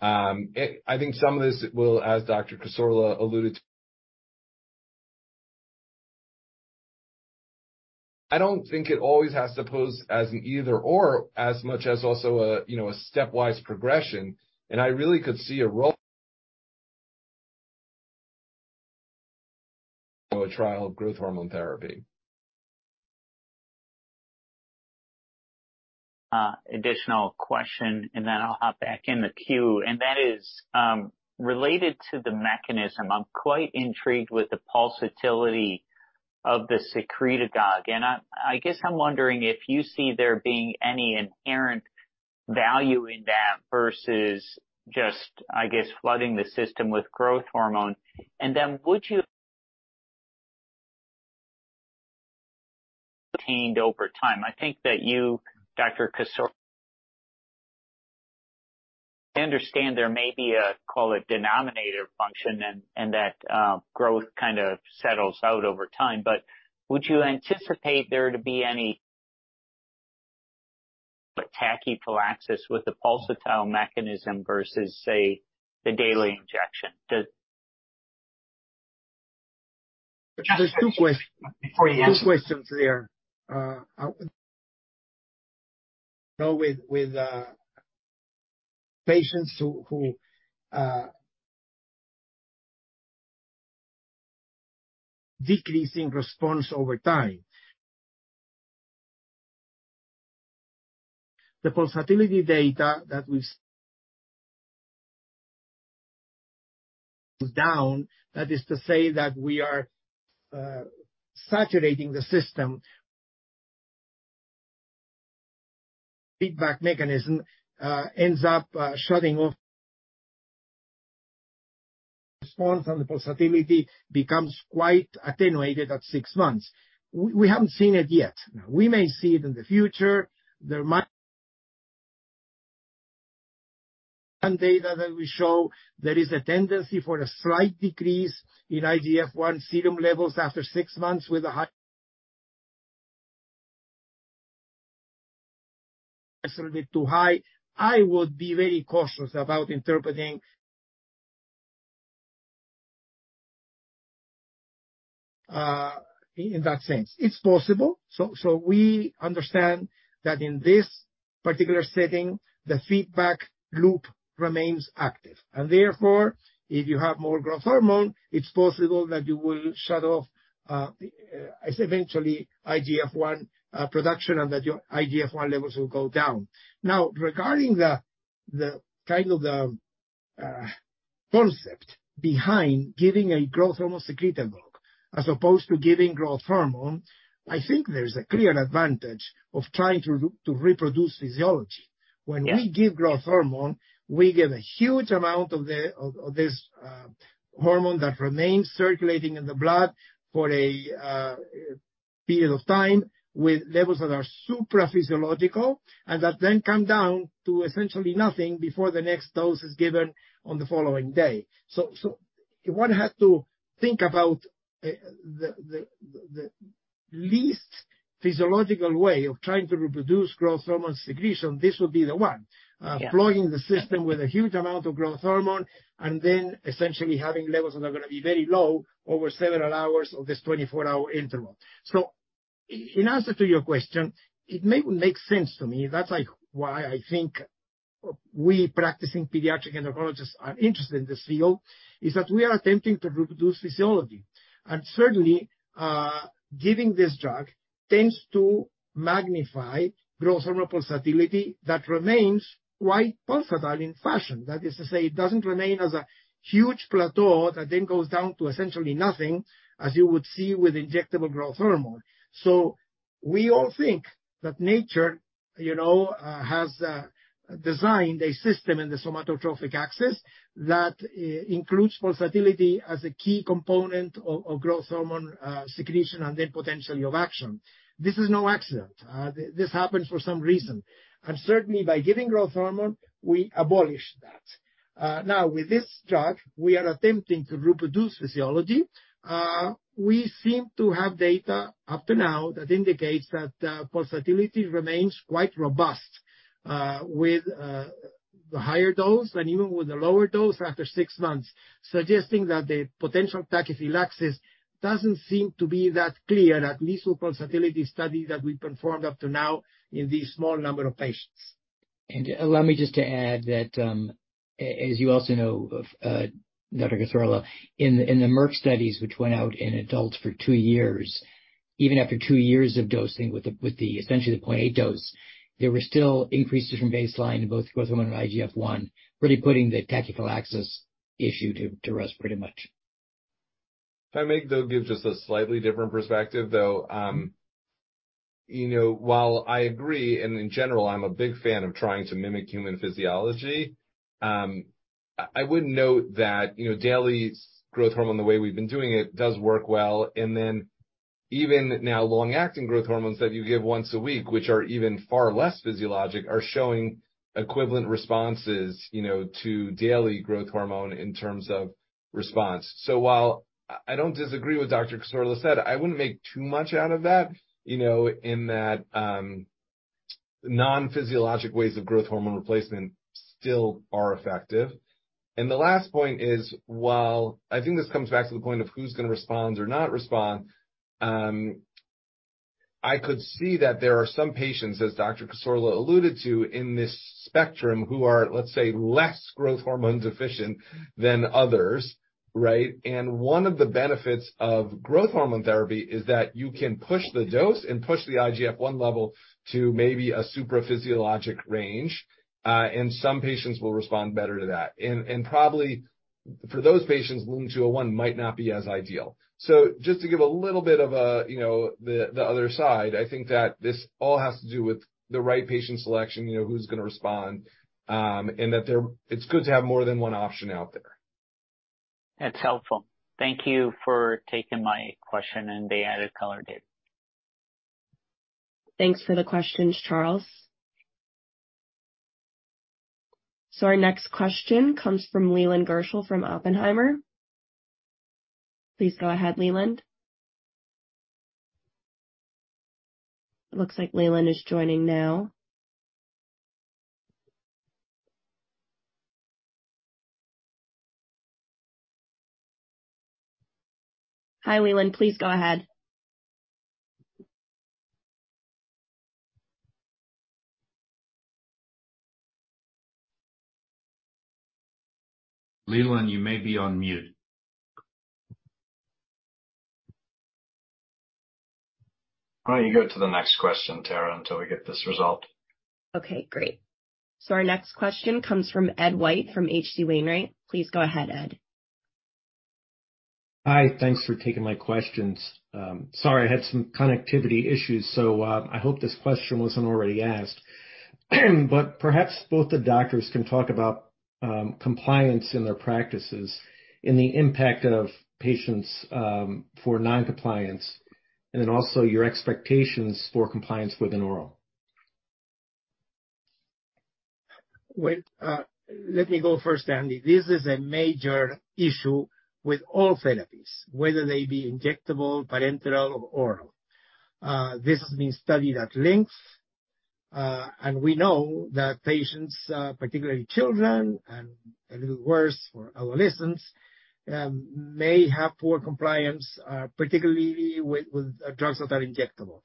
C: I think some of this will, as Dr. Cassorla alluded to... I don't think it always has to pose as an either/or as much as also a, you know, a stepwise progression. I really could see a role... A trial of growth hormone therapy.
F: Additional question. I'll hop back in the queue, that is related to the mechanism. I'm quite intrigued with the pulsatility of the secretagogue. I guess I'm wondering if you see there being any inherent value in that versus just, I guess, flooding the system with growth hormone. Would you... Obtained over time. I think that you, Dr. Cassorla. I understand there may be a, call it denominator function, and that growth kind of settles out over time. Would you anticipate there to be any like tachyphylaxis with the pulsatile mechanism versus, say, the daily injection?
D: There's two.
G: Before you answer.
D: Two questions there. You know, with patients who. Decreasing response over time. The pulsatility data that is to say that we are saturating the system. Feedback mechanism ends up shutting off response, and the pulsatility becomes quite attenuated at 6 months. We haven't seen it yet. We may see it in the future. Some data that we show there is a tendency for a slight decrease in IGF-I serum levels after 6 months. Slightly too high. I would be very cautious about interpreting in that sense. It's possible. We understand that in this particular setting, the feedback loop remains active. Therefore, if you have more growth hormone, it's possible that you will shut off, eventually IGF-I production and that your IGF-I levels will go down. Regarding the kind of the concept behind giving a growth hormone secretagogue as opposed to giving growth hormone, I think there is a clear advantage of trying to reproduce physiology.
H: Yeah.
D: When we give growth hormone, we give a huge amount of the, of this hormone that remains circulating in the blood for a period of time with levels that are supraphysiological and that then come down to essentially nothing before the next dose is given on the following day. If one had to think about the least physiological way of trying to reproduce growth hormone secretion, this would be the one.
H: Yeah.
D: Flooding the system with a huge amount of growth hormone and then essentially having levels that are gonna be very low over several hours of this 24-hour interval. In answer to your question, it may make sense to me. That's, like, why I think we practicing pediatric endocrinologists are interested in this field, is that we are attempting to reproduce physiology. Certainly, giving this drug tends to magnify growth hormone pulsatility that remains quite pulsatile in fashion. That is to say it doesn't remain as a huge plateau that then goes down to essentially nothing, as you would see with injectable growth hormone. We all think that nature, you know, has designed a system in the somatotropic axis that includes pulsatility as a key component of growth hormone secretion and then potentially of action. This is no accident. This happens for some reason, and certainly by giving growth hormone, we abolish that. Now, with this drug, we are attempting to reproduce physiology. We seem to have data up to now that indicates that pulsatility remains quite robust with the higher dose and even with the lower dose after six months, suggesting that the potential tachyphylaxis doesn't seem to be that clear, at least with pulsatility study that we performed up to now in this small number of patients.
H: Allow me just to add that, as you also know of, Dr. Cassorla, in the Merck studies, which went out in adults for 2 years, even after 2 years of dosing with the essentially the 0.8 dose, there were still increases from baseline in both growth hormone and IGF-I, really putting the tachyphylaxis issue to rest pretty much.
C: If I may, though, give just a slightly different perspective, though. You know, while I agree, and in general, I'm a big fan of trying to mimic human physiology, I would note that, you know, daily growth hormone, the way we've been doing it does work well. Even now, long-acting growth hormones that you give once a week, which are even far less physiologic, are showing equivalent responses, you know, to daily growth hormone in terms of response. While I don't disagree with Dr. Cassorla said, I wouldn't make too much out of that, you know, in that, non-physiologic ways of growth hormone replacement still are effective. The last point is, while I think this comes back to the point of who's gonna respond or not respond, I could see that there are some patients, as Dr. Cassorla alluded to, in this spectrum who are, let's say, less growth hormone deficient than others, right? One of the benefits of growth hormone therapy is that you can push the dose and push the IGF-I level to maybe a supraphysiological range, and some patients will respond better to that. Probably for those patients, LUM-201 might not be as ideal. Just to give a little bit of a, you know, the other side, I think that this all has to do with the right patient selection, you know, who's gonna respond, and that it's good to have more than one option out there.
F: That's helpful. Thank you for taking my question and the added color, Dave.
A: Thanks for the questions, Charles. Our next question comes from Leland Gershell from Oppenheimer. Please go ahead, Leland. Looks like Leland is joining now. Hi, Leland. Please go ahead.
B: Leland, you may be on mute. Why don't you go to the next question, Tara, until we get this resolved?
A: Okay, great. Our next question comes from Ed White from H.C. Wainwright. Please go ahead, Ed.
I: Hi. Thanks for taking my questions. sorry, I had some connectivity issues, so, I hope this question wasn't already asked. Perhaps both the doctors can talk about, compliance in their practices and the impact of patients, for non-compliance, and then also your expectations for compliance with an oral.
D: Well, let me go first, Andy. This is a major issue with all therapies, whether they be injectable, parenteral or oral. This has been studied at length, and we know that patients, particularly children and a little worse for adolescents, may have poor compliance, particularly with drugs that are injectable.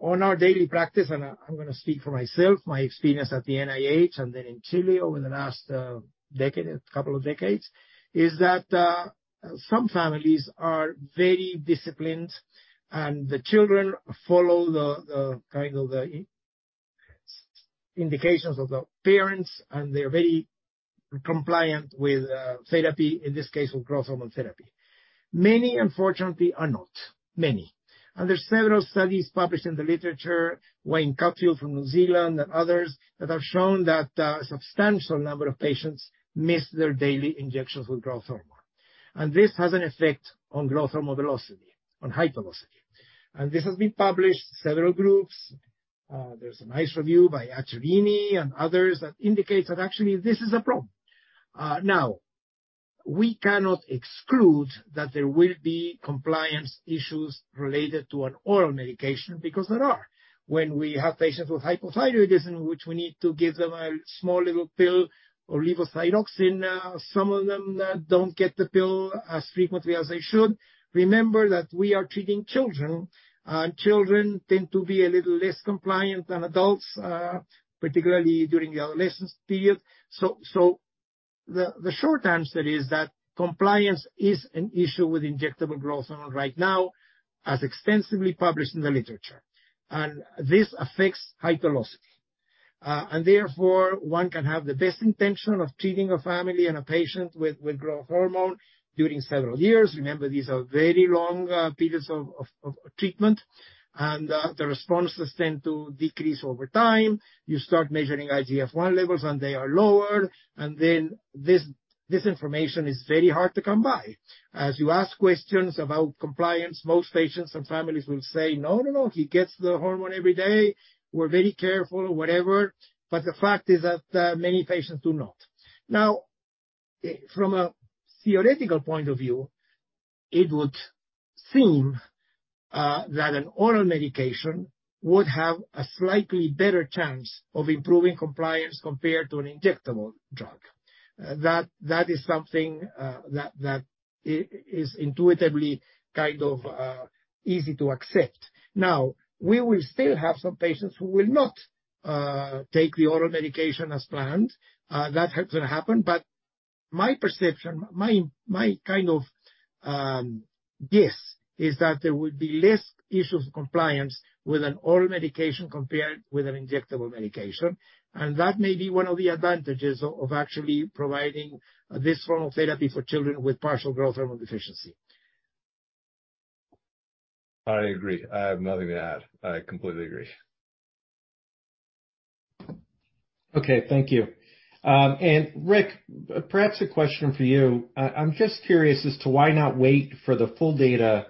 D: On our daily practice, and I'm gonna speak for myself, my experience at the NIH and then in Chile over the last decade, couple of decades, is that some families are very disciplined and the children follow the kind of Indications of the parents, and they're very compliant with therapy, in this case with growth hormone therapy. Many, unfortunately, are not. Many. There are several studies published in the literature, Wayne Cutfield from New Zealand and others, that have shown that a substantial number of patients miss their daily injections with growth hormone. This has an effect on growth hormone velocity, on height velocity. This has been published, several groups. There's a nice review by Acerini and others that indicates that actually this is a problem. Now we cannot exclude that there will be compliance issues related to an oral medication, because there are. When we have patients with hypothyroidism in which we need to give them a small little pill of levothyroxine, some of them don't get the pill as frequently as they should. Remember that we are treating children, and children tend to be a little less compliant than adults, particularly during the adolescence period. The short answer is that compliance is an issue with injectable growth hormone right now, as extensively published in the literature. This affects height velocity. Therefore, one can have the best intention of treating a family and a patient with growth hormone during several years. Remember, these are very long periods of treatment, and the responses tend to decrease over time. You start measuring IGF-I levels, and they are lower. Then this information is very hard to come by. As you ask questions about compliance, most patients and families will say, "No, no, he gets the hormone every day. We're very careful," whatever. The fact is that many patients do not. From a theoretical point of view, it would seem that an oral medication would have a slightly better chance of improving compliance compared to an injectable drug. That is something that is intuitively kind of easy to accept. We will still have some patients who will not take the oral medication as planned. That is going to happen. My perception, my kind of guess is that there will be less issues of compliance with an oral medication compared with an injectable medication. That may be one of the advantages of actually providing this form of therapy for children with partial growth hormone deficiency.
C: I agree. I have nothing to add. I completely agree.
I: Okay, thank you. Rick, perhaps a question for you. I'm just curious as to why not wait for the full data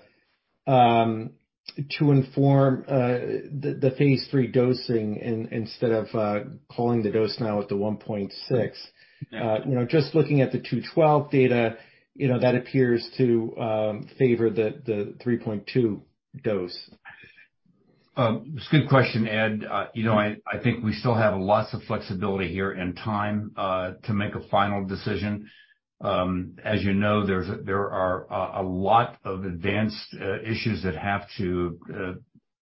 I: to inform the phase 3 dosing instead of calling the dose now at the 1.6. You know, just looking at the 212 data, you know, that appears to favor the 3.2 dose.
B: It's a good question, Ed. You know, I think we still have lots of flexibility here and time to make a final decision. As you know, there's, there are a lot of advanced issues that have to,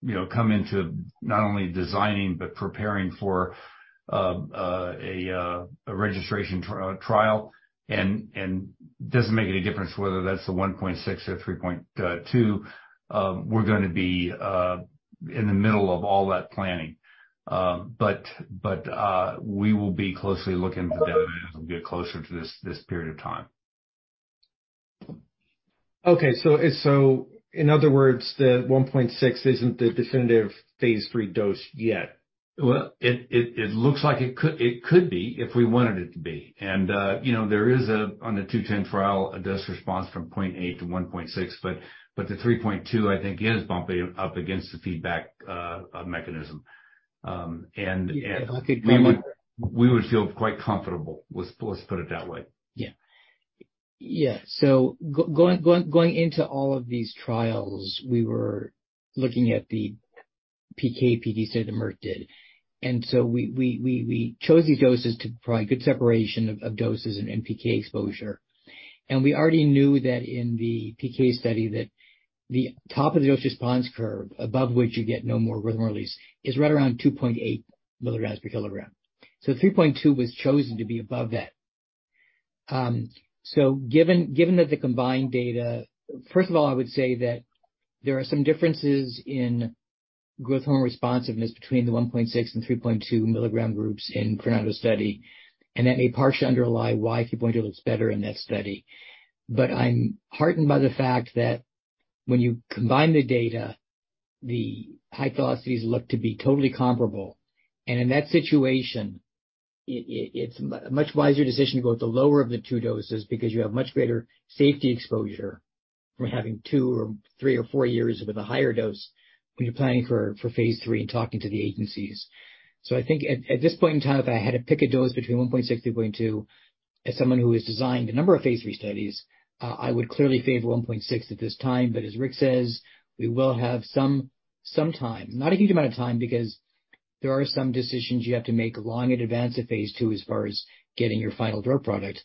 B: you know, come into not only designing but preparing for a registration trial. Doesn't make any difference whether that's the 1.6 or 3.2. We're gonna be in the middle of all that planning. But we will be closely looking at the data as we get closer to this period of time.
I: Okay, in other words, the 1.6 isn't the definitive phase 3 dose yet?
B: Well, it looks like it could be if we wanted it to be. You know, there is a, on the 210 trial, a dose response from 0.8 to 1.6, but the 3.2, I think, is bumping up against the feedback mechanism.
D: I think-
B: We would feel quite comfortable. Let's put it that way.
D: Yeah. Yeah. going into all of these trials, we were looking at the PK/PD study that Merck & Co., Inc. did. we chose these doses to provide good separation of doses and PK exposure. And we already knew that in the PK study that the top of the dose response curve, above which you get no more growth release, is right around 2.8 milligrams per kilogram. 3.2 was chosen to be above that. given that the combined data... First of all, I would say that there are some differences in growth hormone responsiveness between the 1.6 and 3.2 milligram groups in Carrascosa study, and that may partially underlie why 3.2 looks better in that study. I'm heartened by the fact that when you combine the data, the high velocities look to be totally comparable. In that situation, it's much wiser decision to go with the lower of the two doses because you have much greater safety exposure from having two or three or four years with a higher dose when you're planning for phase 3 and talking to the agencies. I think at this point in time, if I had to pick a dose between 1.6 and 3.2, as someone who has designed a number of phase 3 studies, I would clearly favor 1.6 at this time. As Rick says, we will have some time, not a huge amount of time, because there are some decisions you have to make long in advance at phase 2 as far as getting your final drug product.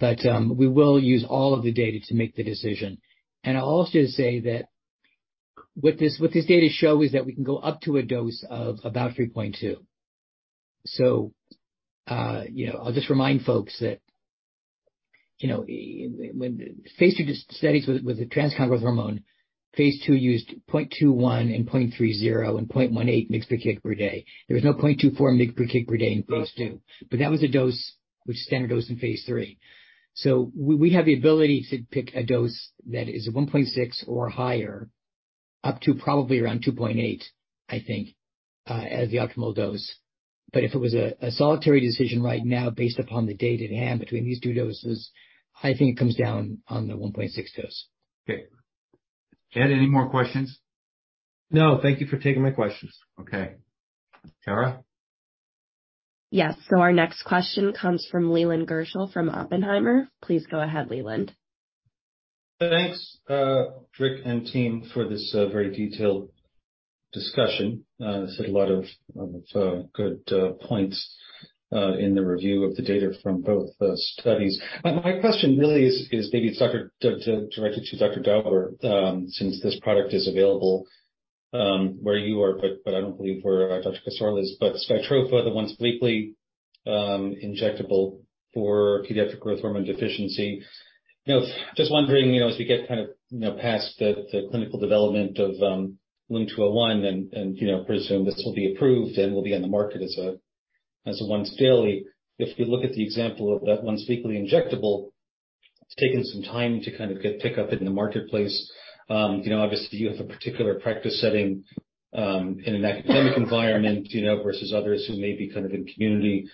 D: We will use all of the data to make the decision. I'll also say that what this, what this data show is that we can go up to a dose of about 3.2. You know, I'll just remind folks that
H: You know, when phase 2 studies with the transcutaneous hormone, phase 2 used 0.21 and 0.30 and 0.18 mgs per kg per day. There was no 0.24 mg per kg per day in phase 2. That was a dose which is standard dose in phase 3. We have the ability to pick a dose that is 1.6 or higher, up to probably around 2.8, I think, as the optimal dose. If it was a solitary decision right now based upon the data at hand between these two doses, I think it comes down on the 1.6 dose.
C: Okay. Ed, any more questions?
I: No. Thank you for taking my questions.
C: Okay. Tara?
A: Yes. Our next question comes from Leland Gershell from Oppenheimer. Please go ahead, Leland.
J: Thanks, Rick and team for this very detailed discussion. This had a lot of good points in the review of the data from both studies. My question really is, maybe it's directed to Dr. Dauber, since this product is available where you are but I don't believe where Dr. Cassorla is, but Skytrofa the once-weekly injectable for Pediatric Growth Hormone Deficiency. You know, just wondering, you know, as we get kind of, you know, past the clinical development of LUM-201 and, you know, presume this will be approved and will be on the market as a once daily, if you look at the example of that once weekly injectable, it's taken some time to kind of get pickup in the marketplace. You know, obviously, you have a particular practice setting, in an academic environment, you know, versus others who may be kind of in community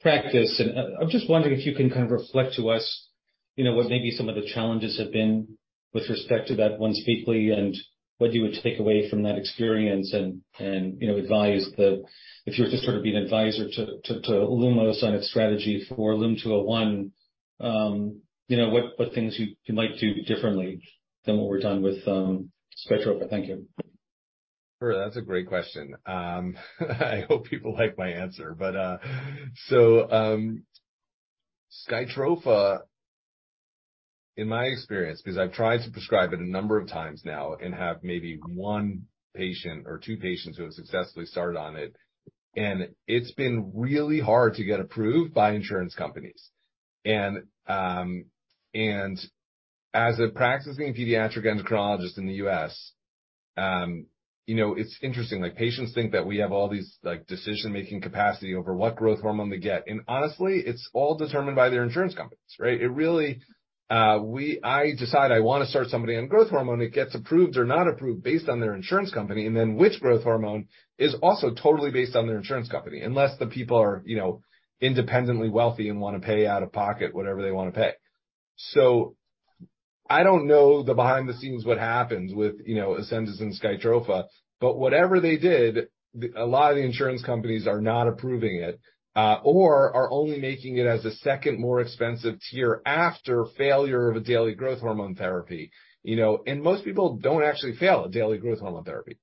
J: practice. I'm just wondering if you can kind of reflect to us, you know, what maybe some of the challenges have been with respect to that once weekly, and what you would take away from that experience and, you know, advise if you were to sort of be an advisor to Lumos on its strategy for LUM-201, you know, what things you might do differently than what we're done with Skytrofa. Thank you.
C: Sure. That's a great question. I hope people like my answer. Skytrofa, in my experience, because I've tried to prescribe it a number of times now and have maybe one patient or two patients who have successfully started on it, and it's been really hard to get approved by insurance companies. As a practicing pediatric endocrinologist in the U.S., you know, it's interesting. Like, patients think that we have all these, like, decision-making capacity over what growth hormone they get. Honestly, it's all determined by their insurance companies, right? It really, I decide I wanna start somebody on growth hormone, it gets approved or not approved based on their insurance company, and then which growth hormone is also totally based on their insurance company, unless the people are, you know, independently wealthy and wanna pay out of pocket whatever they wanna pay. I don't know the behind the scenes what happens with, you know, Ascendis and Skytrofa, but whatever they did, a lot of the insurance companies are not approving it, or are only making it as a second more expensive tier after failure of a daily growth hormone therapy. You know, most people don't actually fail a daily growth hormone therapy.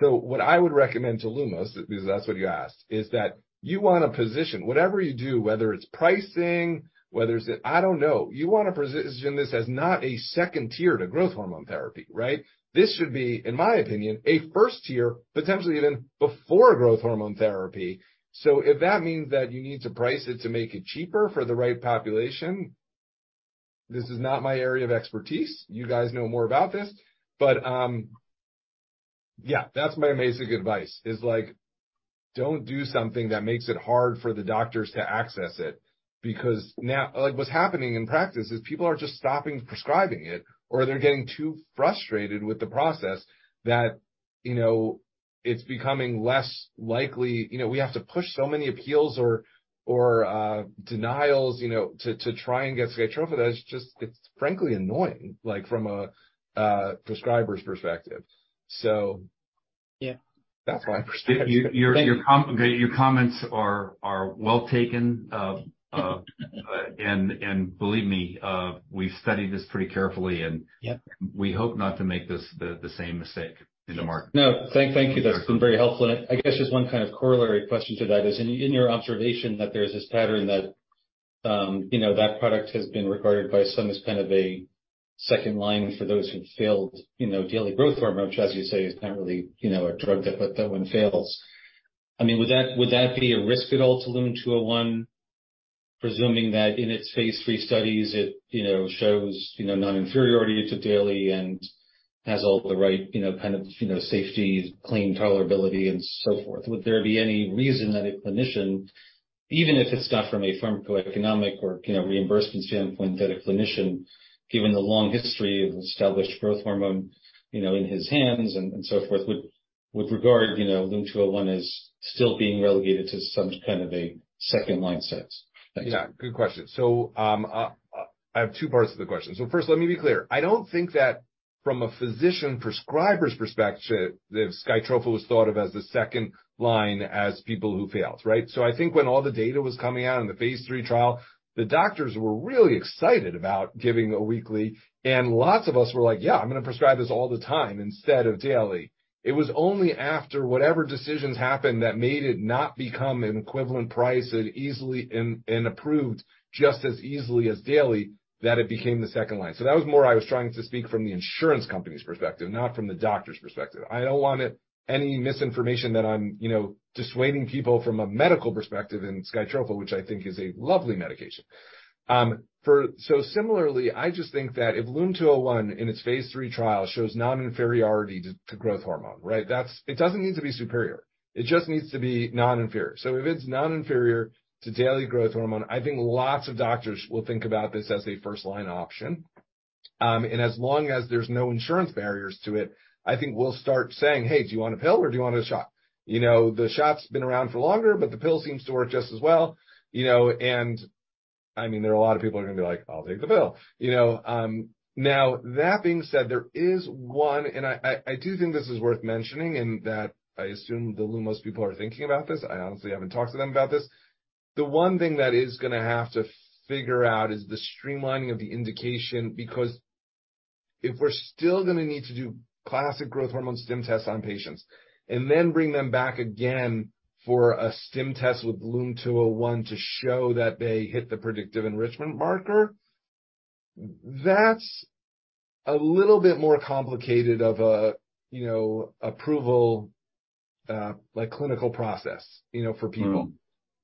C: What I would recommend to Lumos, because that's what you asked, is that you wanna position whatever you do, whether it's pricing, whether it's, I don't know, you wanna position this as not a second tier to growth hormone therapy, right? This should be, in my opinion, a first tier, potentially even before growth hormone therapy. If that means that you need to price it to make it cheaper for the right population, this is not my area of expertise. You guys know more about this. Yeah, that's my basic advice, is like, don't do something that makes it hard for the doctors to access it, because what's happening in practice is people are just stopping prescribing it or they're getting too frustrated with the process that, you know, it's becoming less likely. You know, we have to push so many appeals or denials, you know, to try and get Skytrofa. It's frankly annoying, like, from a prescriber's perspective.
H: Yeah.
C: That's my perspective.
H: Your comments are well taken. Believe me, we've studied this pretty carefully.
C: Yep.
H: We hope not to make this the same mistake in the market.
J: No. Thank you. That's been very helpful. I guess just one kind of corollary question to that is in your observation that there's this pattern that, you know, that product has been regarded by some as kind of a second line for those who failed, you know, daily growth hormone, which as you say, is not really, you know, a drug that one fails. I mean, would that be a risk at all to LUM-201, presuming that in its phase 3 studies it, you know, shows, you know, non-inferiority to daily and has all the right, you know, kind of, you know, safety, clean tolerability and so forth? Would there be any reason that a clinician, even if it's not from a pharmacoeconomic or, you know, reimbursement standpoint, that a clinician, given the long history of established growth hormone, you know, in his hands and so forth, would regard, you know, LUM-201 as still being relegated to some kind of a second-line sense? Thanks.
C: Yeah, good question. I have two parts to the question. First, let me be clear. I don't think that from a physician prescriber's perspective, that Skytrofa was thought of as the second line as people who failed, right? I think when all the data was coming out in the phase 3 trial, the doctors were really excited about giving a weekly, and lots of us were like, "Yeah, I'm gonna prescribe this all the time instead of daily." It was only after whatever decisions happened that made it not become an equivalent price as easily and approved just as easily as daily, that it became the second line. That was more I was trying to speak from the insurance company's perspective, not from the doctor's perspective. I don't want it any misinformation that I'm, you know, dissuading people from a medical perspective in Skytrofa, which I think is a lovely medication. Similarly, I just think that if LUM-201 in its phase 3 trial shows non-inferiority to growth hormone, right? It doesn't need to be superior. It just needs to be non-inferior. If it's non-inferior to daily growth hormone, I think lots of doctors will think about this as a first-line option. As long as there's no insurance barriers to it, I think we'll start saying, "Hey, do you want a pill or do you want a shot?" You know, the shot's been around for longer, but the pill seems to work just as well. You know, I mean, there are a lot of people who are gonna be like, "I'll take the pill." You know, now that being said, there is one thing I do think this is worth mentioning, and that I assume the Lumos people are thinking about this. I honestly haven't talked to them about this. The one thing that is gonna have to figure out is the streamlining of the indication. If we're still gonna need to do classic growth hormone stim tests on patients and then bring them back again for a stim test with LUM 201 to show that they hit the predictive enrichment marker, that's a little bit more complicated of a, you know, approval, like clinical process, you know, for people.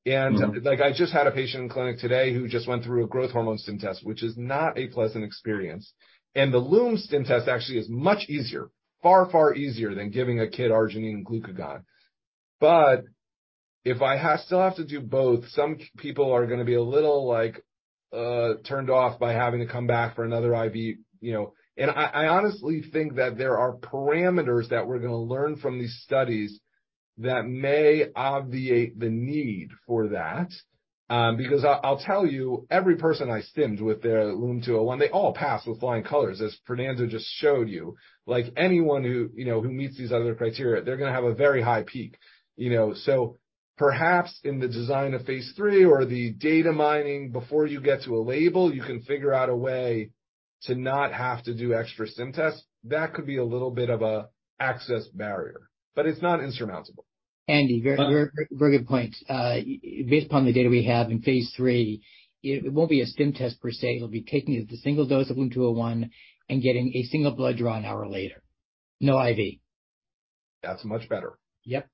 J: Mm-hmm.
C: Like, I just had a patient in clinic today who just went through a growth hormone stim test, which is not a pleasant experience. The LUM stim test actually is much easier. Far, far easier than giving a kid arginine glucagon. If I still have to do both, some people are gonna be a little like, turned off by having to come back for another IV, you know. I honestly think that there are parameters that we're gonna learn from these studies that may obviate the need for that. Because I'll tell you, every person I stimmed with their LUM-201, they all pass with flying colors, as Fernando just showed you. Like anyone who, you know, who meets these other criteria, they's gonna have a very high peak, you know. Perhaps in the design of phase 3 or the data mining before you get to a label, you can figure out a way to not have to do extra stim tests. That could be a little bit of a access barrier, but it's not insurmountable.
H: Andy, very, very, very good point. Based upon the data we have in phase 3, it won't be a stim test per se. It'll be taking the single dose of LUM-201 and getting a single blood draw an hour later. No IV.
C: That's much better.
H: Yep.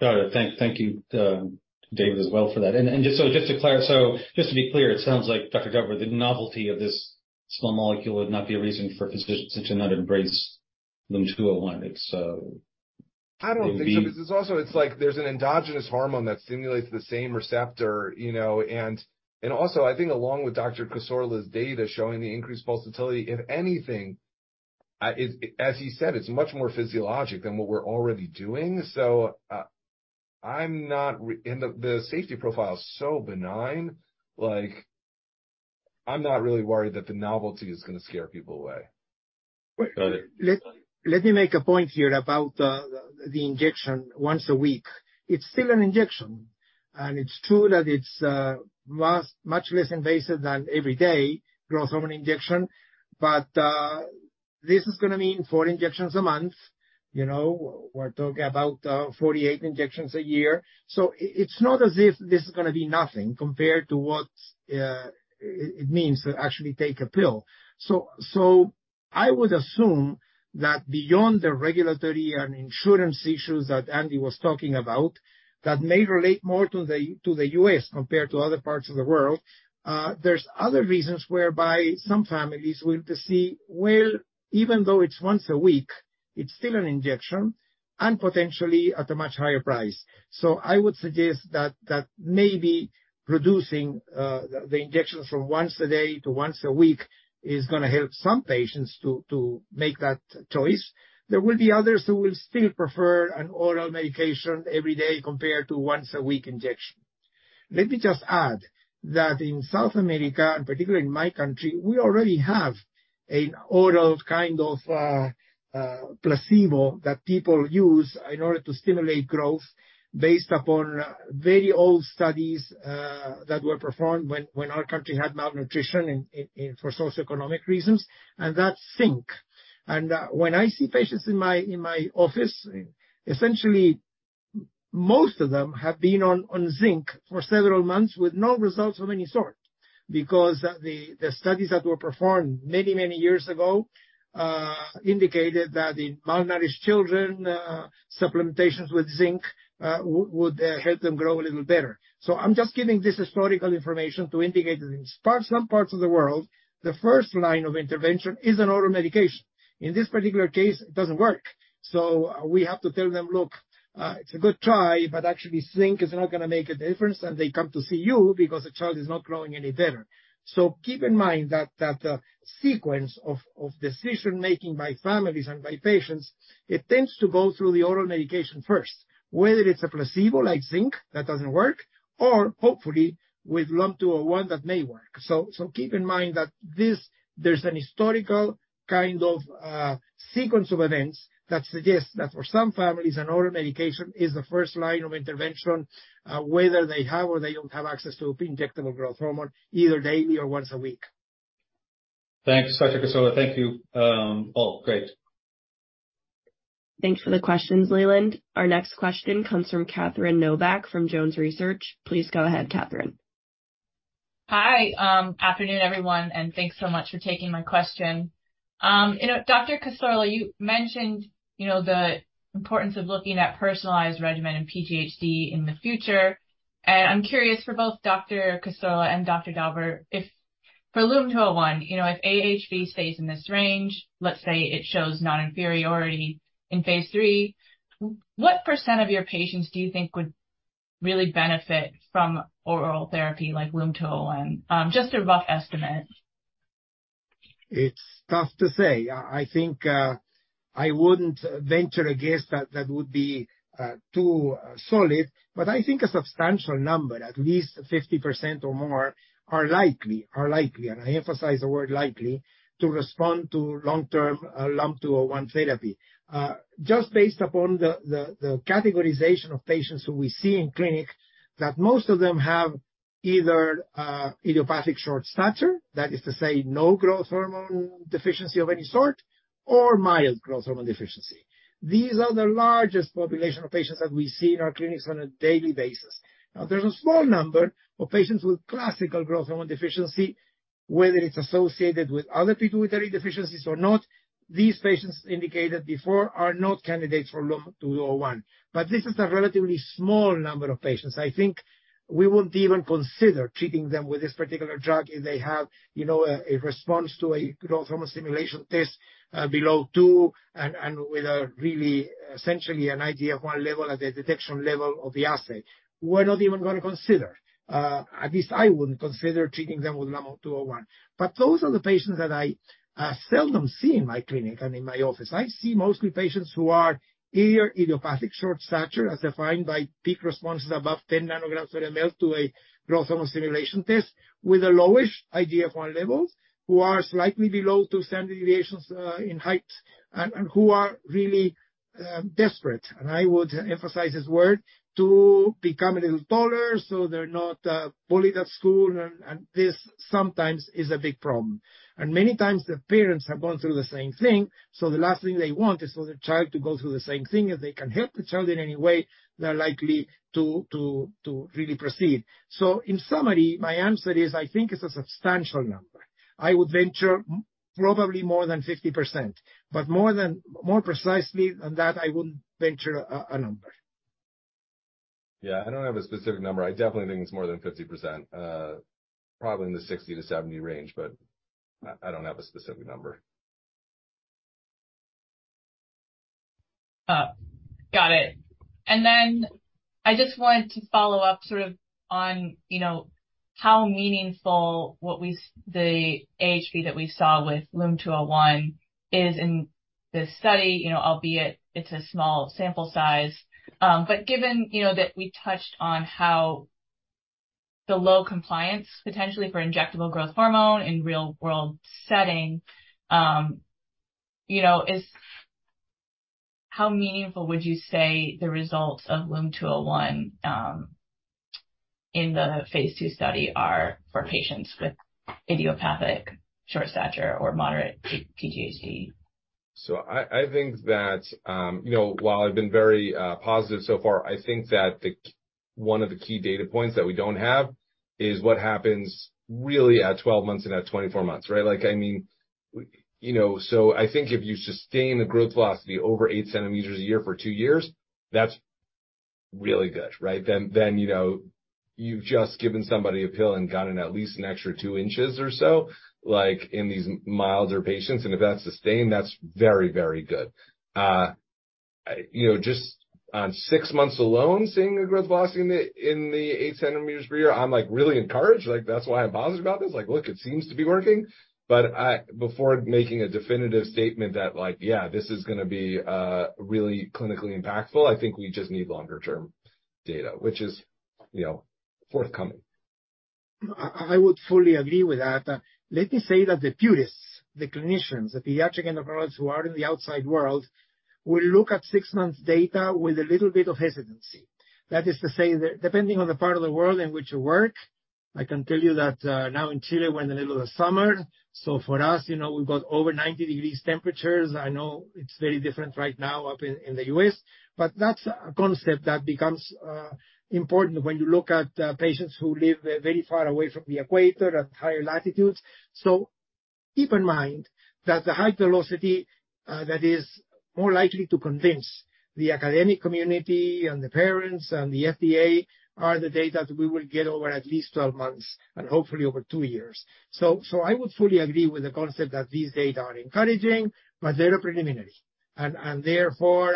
J: Got it. Thank you, David as well for that. Just so, just to be clear, it sounds like, Dr. Dauber, the novelty of this small molecule would not be a reason for physicians to not embrace LUM-201. It's,
C: I don't think so because it's also it's like there's an endogenous hormone that stimulates the same receptor, you know. Also I think along with Dr. Cassorla's data showing the increased pulsatility, if anything, as he said, it's much more physiologic than what we're already doing. I'm not and the safety profile is so benign, like I'm not really worried that the novelty is gonna scare people away.
J: Got it.
D: Let me make a point here about the injection once a week. It's still an injection, and it's true that it's much, much less invasive than every day growth hormone injection. This is gonna mean four injections a month. You know, we're talking about 48 injections a year. It's not as if this is gonna be nothing compared to what it means to actually take a pill. I would assume that beyond the regulatory and insurance issues that Andy was talking about, that may relate more to the U.S. compared to other parts of the world. There's other reasons whereby some families will see, well, even though it's once a week, it's still an injection and potentially at a much higher price. I would suggest that that may be reducing the injections from once a day to once a week is gonna help some patients to make that choice. There will be others who will still prefer an oral medication every day compared to once a week injection. Let me just add that in South America, and particularly in my country, we already have an oral kind of placebo that people use in order to stimulate growth based upon very old studies that were performed when our country had malnutrition and for socioeconomic reasons. That's zinc. When I see patients in my, in my office, essentially most of them have been on zinc for several months with no results of any sort because the studies that were performed many, many years ago, indicated that in malnourished children, supplementations with zinc would help them grow a little better. I'm just giving this historical information to indicate that in parts, some parts of the world, the first line of intervention is an oral medication. In this particular case, it doesn't work. We have to tell them, "Look, it's a good try, but actually zinc is not gonna make a difference." They come to see you because the child is not growing any better. Keep in mind that that sequence of decision-making by families and by patients, it tends to go through the oral medication first. Whether it's a placebo like zinc that doesn't work or hopefully with LUM-201 that may work. Keep in mind that there's an historical kind of sequence of events that suggests that for some families, an oral medication is the first line of intervention, whether they have or they don't have access to injectable growth hormone, either daily or once a week.
J: Thanks, Dr. Cassola. Thank you, all. Great.
A: Thanks for the questions, Leland. Our next question comes from Catherine Novac from JonesResearch. Please go ahead, Catherine.
K: Hi. Afternoon, everyone, thanks so much for taking my question. You know, Dr. Cassorla, you mentioned, you know, the importance of looking at personalized regimen and PGHD in the future. I'm curious for both Dr. Cassorla and Dr. Dauber, if for LUM-201, you know, if AHV stays in this range, let's say it shows non-inferiority in phase 3, what % of your patients do you think would really benefit from oral therapy like LUM-201. Just a rough estimate.
D: It's tough to say. I think I wouldn't venture a guess that that would be too solid, but I think a substantial number, at least 50% or more, are likely, and I emphasize the word likely, to respond to long-term LUM-201 therapy. Just based upon the categorization of patients who we see in clinic, that most of them have either idiopathic short stature, that is to say, no growth hormone deficiency of any sort, or mild growth hormone deficiency. These are the largest population of patients that we see in our clinics on a daily basis. There's a small number of patients with classical growth hormone deficiency, whether it's associated with other pituitary deficiencies or not. These patients indicated before are not candidates for LUM-201. This is a relatively small number of patients. I think we wouldn't even consider treating them with this particular drug if they have, you know, a response to a growth hormone stimulation test below 2 and with a really essentially an IGF-1 level at the detection level of the assay. We're not even gonna consider. At least I wouldn't consider treating them with LUM-201. Those are the patients that I seldom see in my clinic and in my office. I see mostly patients who are either idiopathic short stature, as defined by peak responses above 10 nanograms per ml to a growth hormone stimulation test with a lowish IGF-1 levels who are slightly below 2 standard deviations in height and who are really desperate, and I would emphasize this word, to become a little taller, so they're not bullied at school. This sometimes is a big problem. Many times the parents have gone through the same thing, so the last thing they want is for their child to go through the same thing. If they can help the child in any way, they're likely to really proceed. In summary, my answer is, I think it's a substantial number. I would venture probably more than 50%, but more than More precisely than that, I wouldn't venture a number.
C: Yeah. I don't have a specific number. I definitely think it's more than 50%. Probably in the 60%-70% range, but I don't have a specific number.
K: Got it. I just wanted to follow up sort of on, you know, how meaningful what we the AHV that we saw with LUM-201 is in this study. You know, albeit it's a small sample size. But given, you know, that we touched on how the low compliance potentially for injectable growth hormone in real-world setting, you know, how meaningful would you say the results of LUM-201 in the phase two study are for patients with idiopathic short stature or moderate PGHD?
C: I think that, you know, while I've been very positive so far, I think that one of the key data points that we don't have is what happens really at 12 months and at 24 months, right? Like, I mean, we, you know. I think if you sustain the growth velocity over 8 centimeters a year for 2 years, that's really good, right? Then, you know, you've just given somebody a pill and gotten at least an extra 2 inches or so, like, in these milder patients, and if that's sustained, that's very, very good. You know, just on 6 months alone, seeing a growth velocity in the 8 centimeters per year, I'm like really encouraged. Like, that's why I'm positive about this. Like, look, it seems to be working. Before making a definitive statement that, like, yeah, this is gonna be really clinically impactful, I think we just need longer term data, which is, you know, forthcoming.
D: I would fully agree with that. Let me say that the purists, the clinicians, the pediatric endocrinologists who are in the outside world will look at six months data with a little bit of hesitancy. That is to say that depending on the part of the world in which you work, I can tell you that now in Chile, we're in the middle of the summer, so for us, you know, we've got over 90 degrees temperatures. I know it's very different right now up in the U.S. That's a concept that becomes important when you look at patients who live very far away from the equator at higher latitudes. keep in mind that the height velocity that is more likely to convince the academic community and the parents and the FDA are the data that we will get over at least 12 months and hopefully over 2 years. I would fully agree with the concept that these data are encouraging, but they are preliminary. Therefore,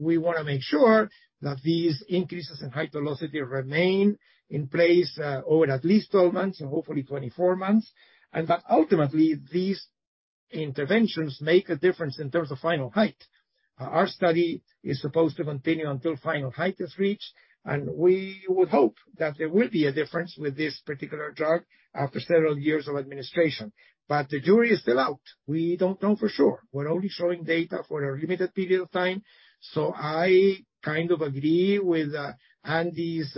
D: we wanna make sure that these increases in height velocity remain in place over at least 12 months and hopefully 24 months. That ultimately, these interventions make a difference in terms of final height. Our study is supposed to continue until final height is reached, and we would hope that there will be a difference with this particular drug after several years of administration. The jury is still out. We don't know for sure. We're only showing data for a limited period of time. I kind of agree with Andy's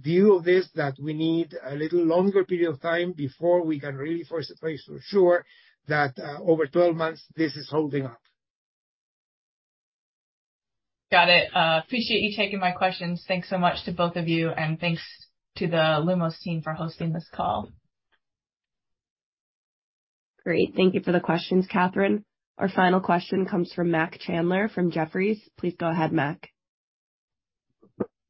D: view of this that we need a little longer period of time before we can really say for sure that over 12 months this is holding up.
K: Got it. Appreciate you taking my questions. Thanks so much to both of you. Thanks to the Lumos team for hosting this call.
A: Great. Thank you for the questions, Catherine. Our final question comes from MacCaleCale Chandler from Jefferies. Please go ahead, MaCale.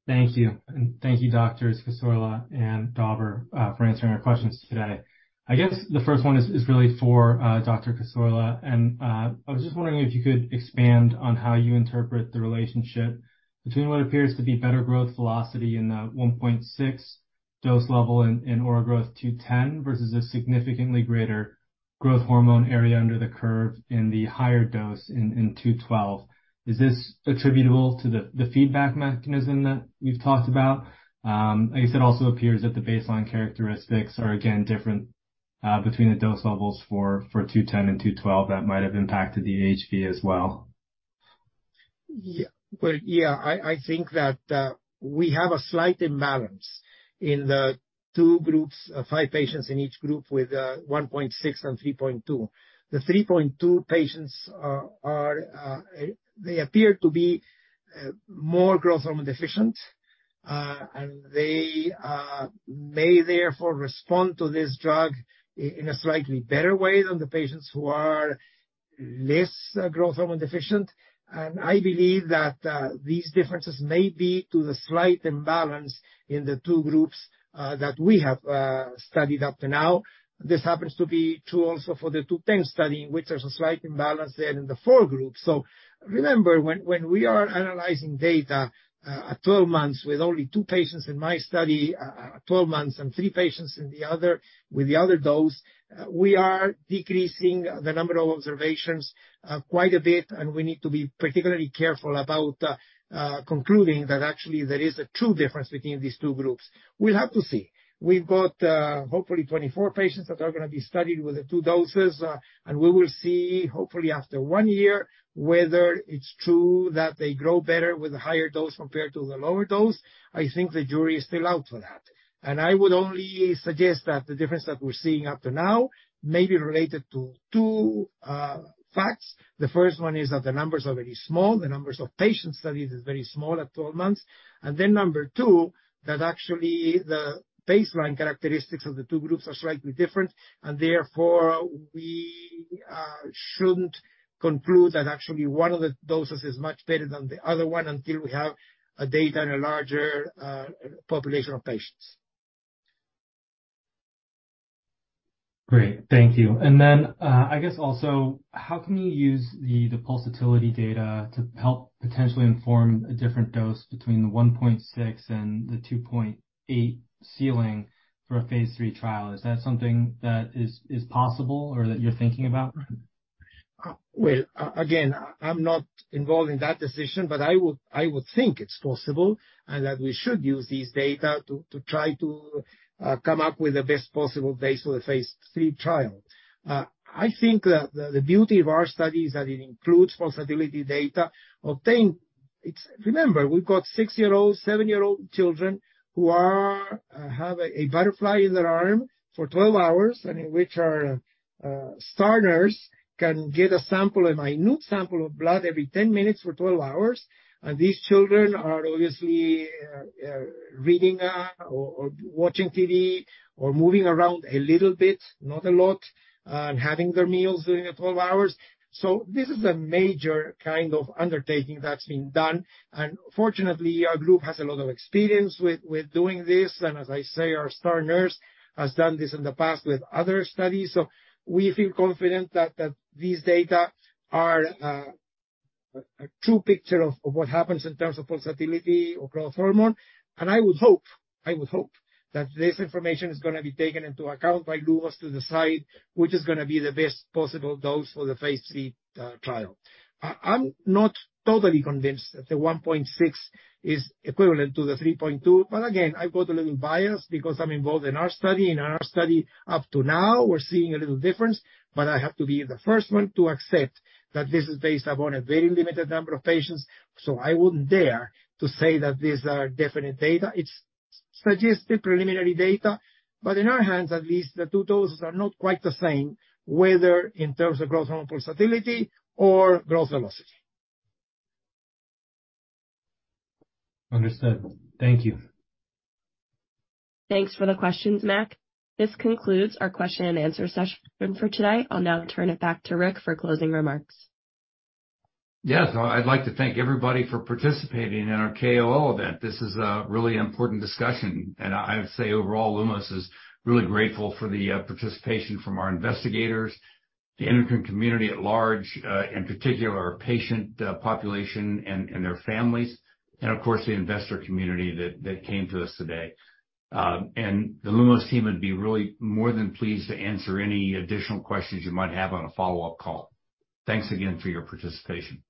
L: Thank you. Thank you Doctors Kisoila and Dauber for answering our questions today. I guess the first one is really for Dr. Kisoila, and I was just wondering if you could expand on how you interpret the relationship between what appears to be better growth velocity in the 1.6 dose level in OraGrowtH210 versus a significantly greater growth hormone area under the curve in the higher dose in OraGrowtH212. Is this attributable to the feedback mechanism that you've talked about? I guess it also appears that the baseline characteristics are again different between the dose levels for OraGrowtH210 and OraGrowtH212 that might have impacted the AHV as well.
D: Yeah. Well, yeah. I think that we have a slight imbalance in the two groups of five patients in each group with 1.6 and 3.2. The 3.2 patients are more growth hormone deficient. They may therefore respond to this drug in a slightly better way than the patients who are less growth hormone deficient. I believe that these differences may be to the slight imbalance in the two groups that we have studied up to now. This happens to be true also for the OraGrowtH210 study, which there's a slight imbalance there in the four groups. Remember when we are analyzing data, at 12 months with only 2 patients in my study, at 12 months and 3 patients in the other with the other dose, we are decreasing the number of observations quite a bit. We need to be particularly careful about concluding that actually there is a true difference between these two groups. We'll have to see. We've got hopefully 24 patients that are gonna be studied with the 2 doses, and we will see hopefully after 1 year whether it's true that they grow better with a higher dose compared to the lower dose. I think the jury is still out for that. I would only suggest that the difference that we're seeing up to now may be related to 2 facts. The first one is that the numbers are very small. The numbers of patient studies is very small at 12 months. Number two, that actually the baseline characteristics of the two groups are slightly different and therefore we shouldn't conclude that actually one of the doses is much better than the other one until we have a data in a larger population of patients.
L: Great. Thank you. I guess also, how can you use the pulsatility data to help potentially inform a different dose between the 1.6 and the 2.8 ceiling for a phase 3 trial? Is that something that is possible or that you're thinking about?
D: Well, again, I'm not involved in that decision, but I would think it's possible and that we should use these data to try to come up with the best possible base for the phase three trial. I think that the beauty of our study is that it includes pulsatility data obtained. Remember, we've got six-year-old, seven-year-old children who are have a butterfly in their arm for 12 hours and in which our star nurse can get a sample, a minute sample of blood every 10 minutes for 12 hours. These children are obviously reading or watching TV or moving around a little bit, not a lot and having their meals during the 12 hours. This is a major kind of undertaking that's being done. Fortunately, our group has a lot of experience with doing this. As I say, our star nurse has done this in the past with other studies. We feel confident that these data are a true picture of what happens in terms of pulsatility or growth hormone. I would hope that this information is gonna be taken into account by Lumos to decide which is gonna be the best possible dose for the phase 3 trial. I'm not totally convinced that the 1.6 is equivalent to the 3.2, but again, I've got a little bias because I'm involved in our study. In our study up to now, we're seeing a little difference, but I have to be the first one to accept that this is based upon a very limited number of patients. I wouldn't dare to say that these are definite data. It's suggestive preliminary data. In our hands at least, the 2 doses are not quite the same, whether in terms of growth hormone pulsatility or growth velocity.
L: Understood. Thank you.
A: Thanks for the questions, MacCale. This concludes our question and answer session for today. I'll now turn it back to Rick for closing remarks.
B: Yes. I'd like to thank everybody for participating in our KOL event. This is a really important discussion. I would say overall, Lumos is really grateful for the participation from our investigators, the endocrine community at large, in particular our patient population and their families, and of course, the investor community that came to us today. The Lumos team would be really more than pleased to answer any additional questions you might have on a follow-up call. Thanks again for your participation.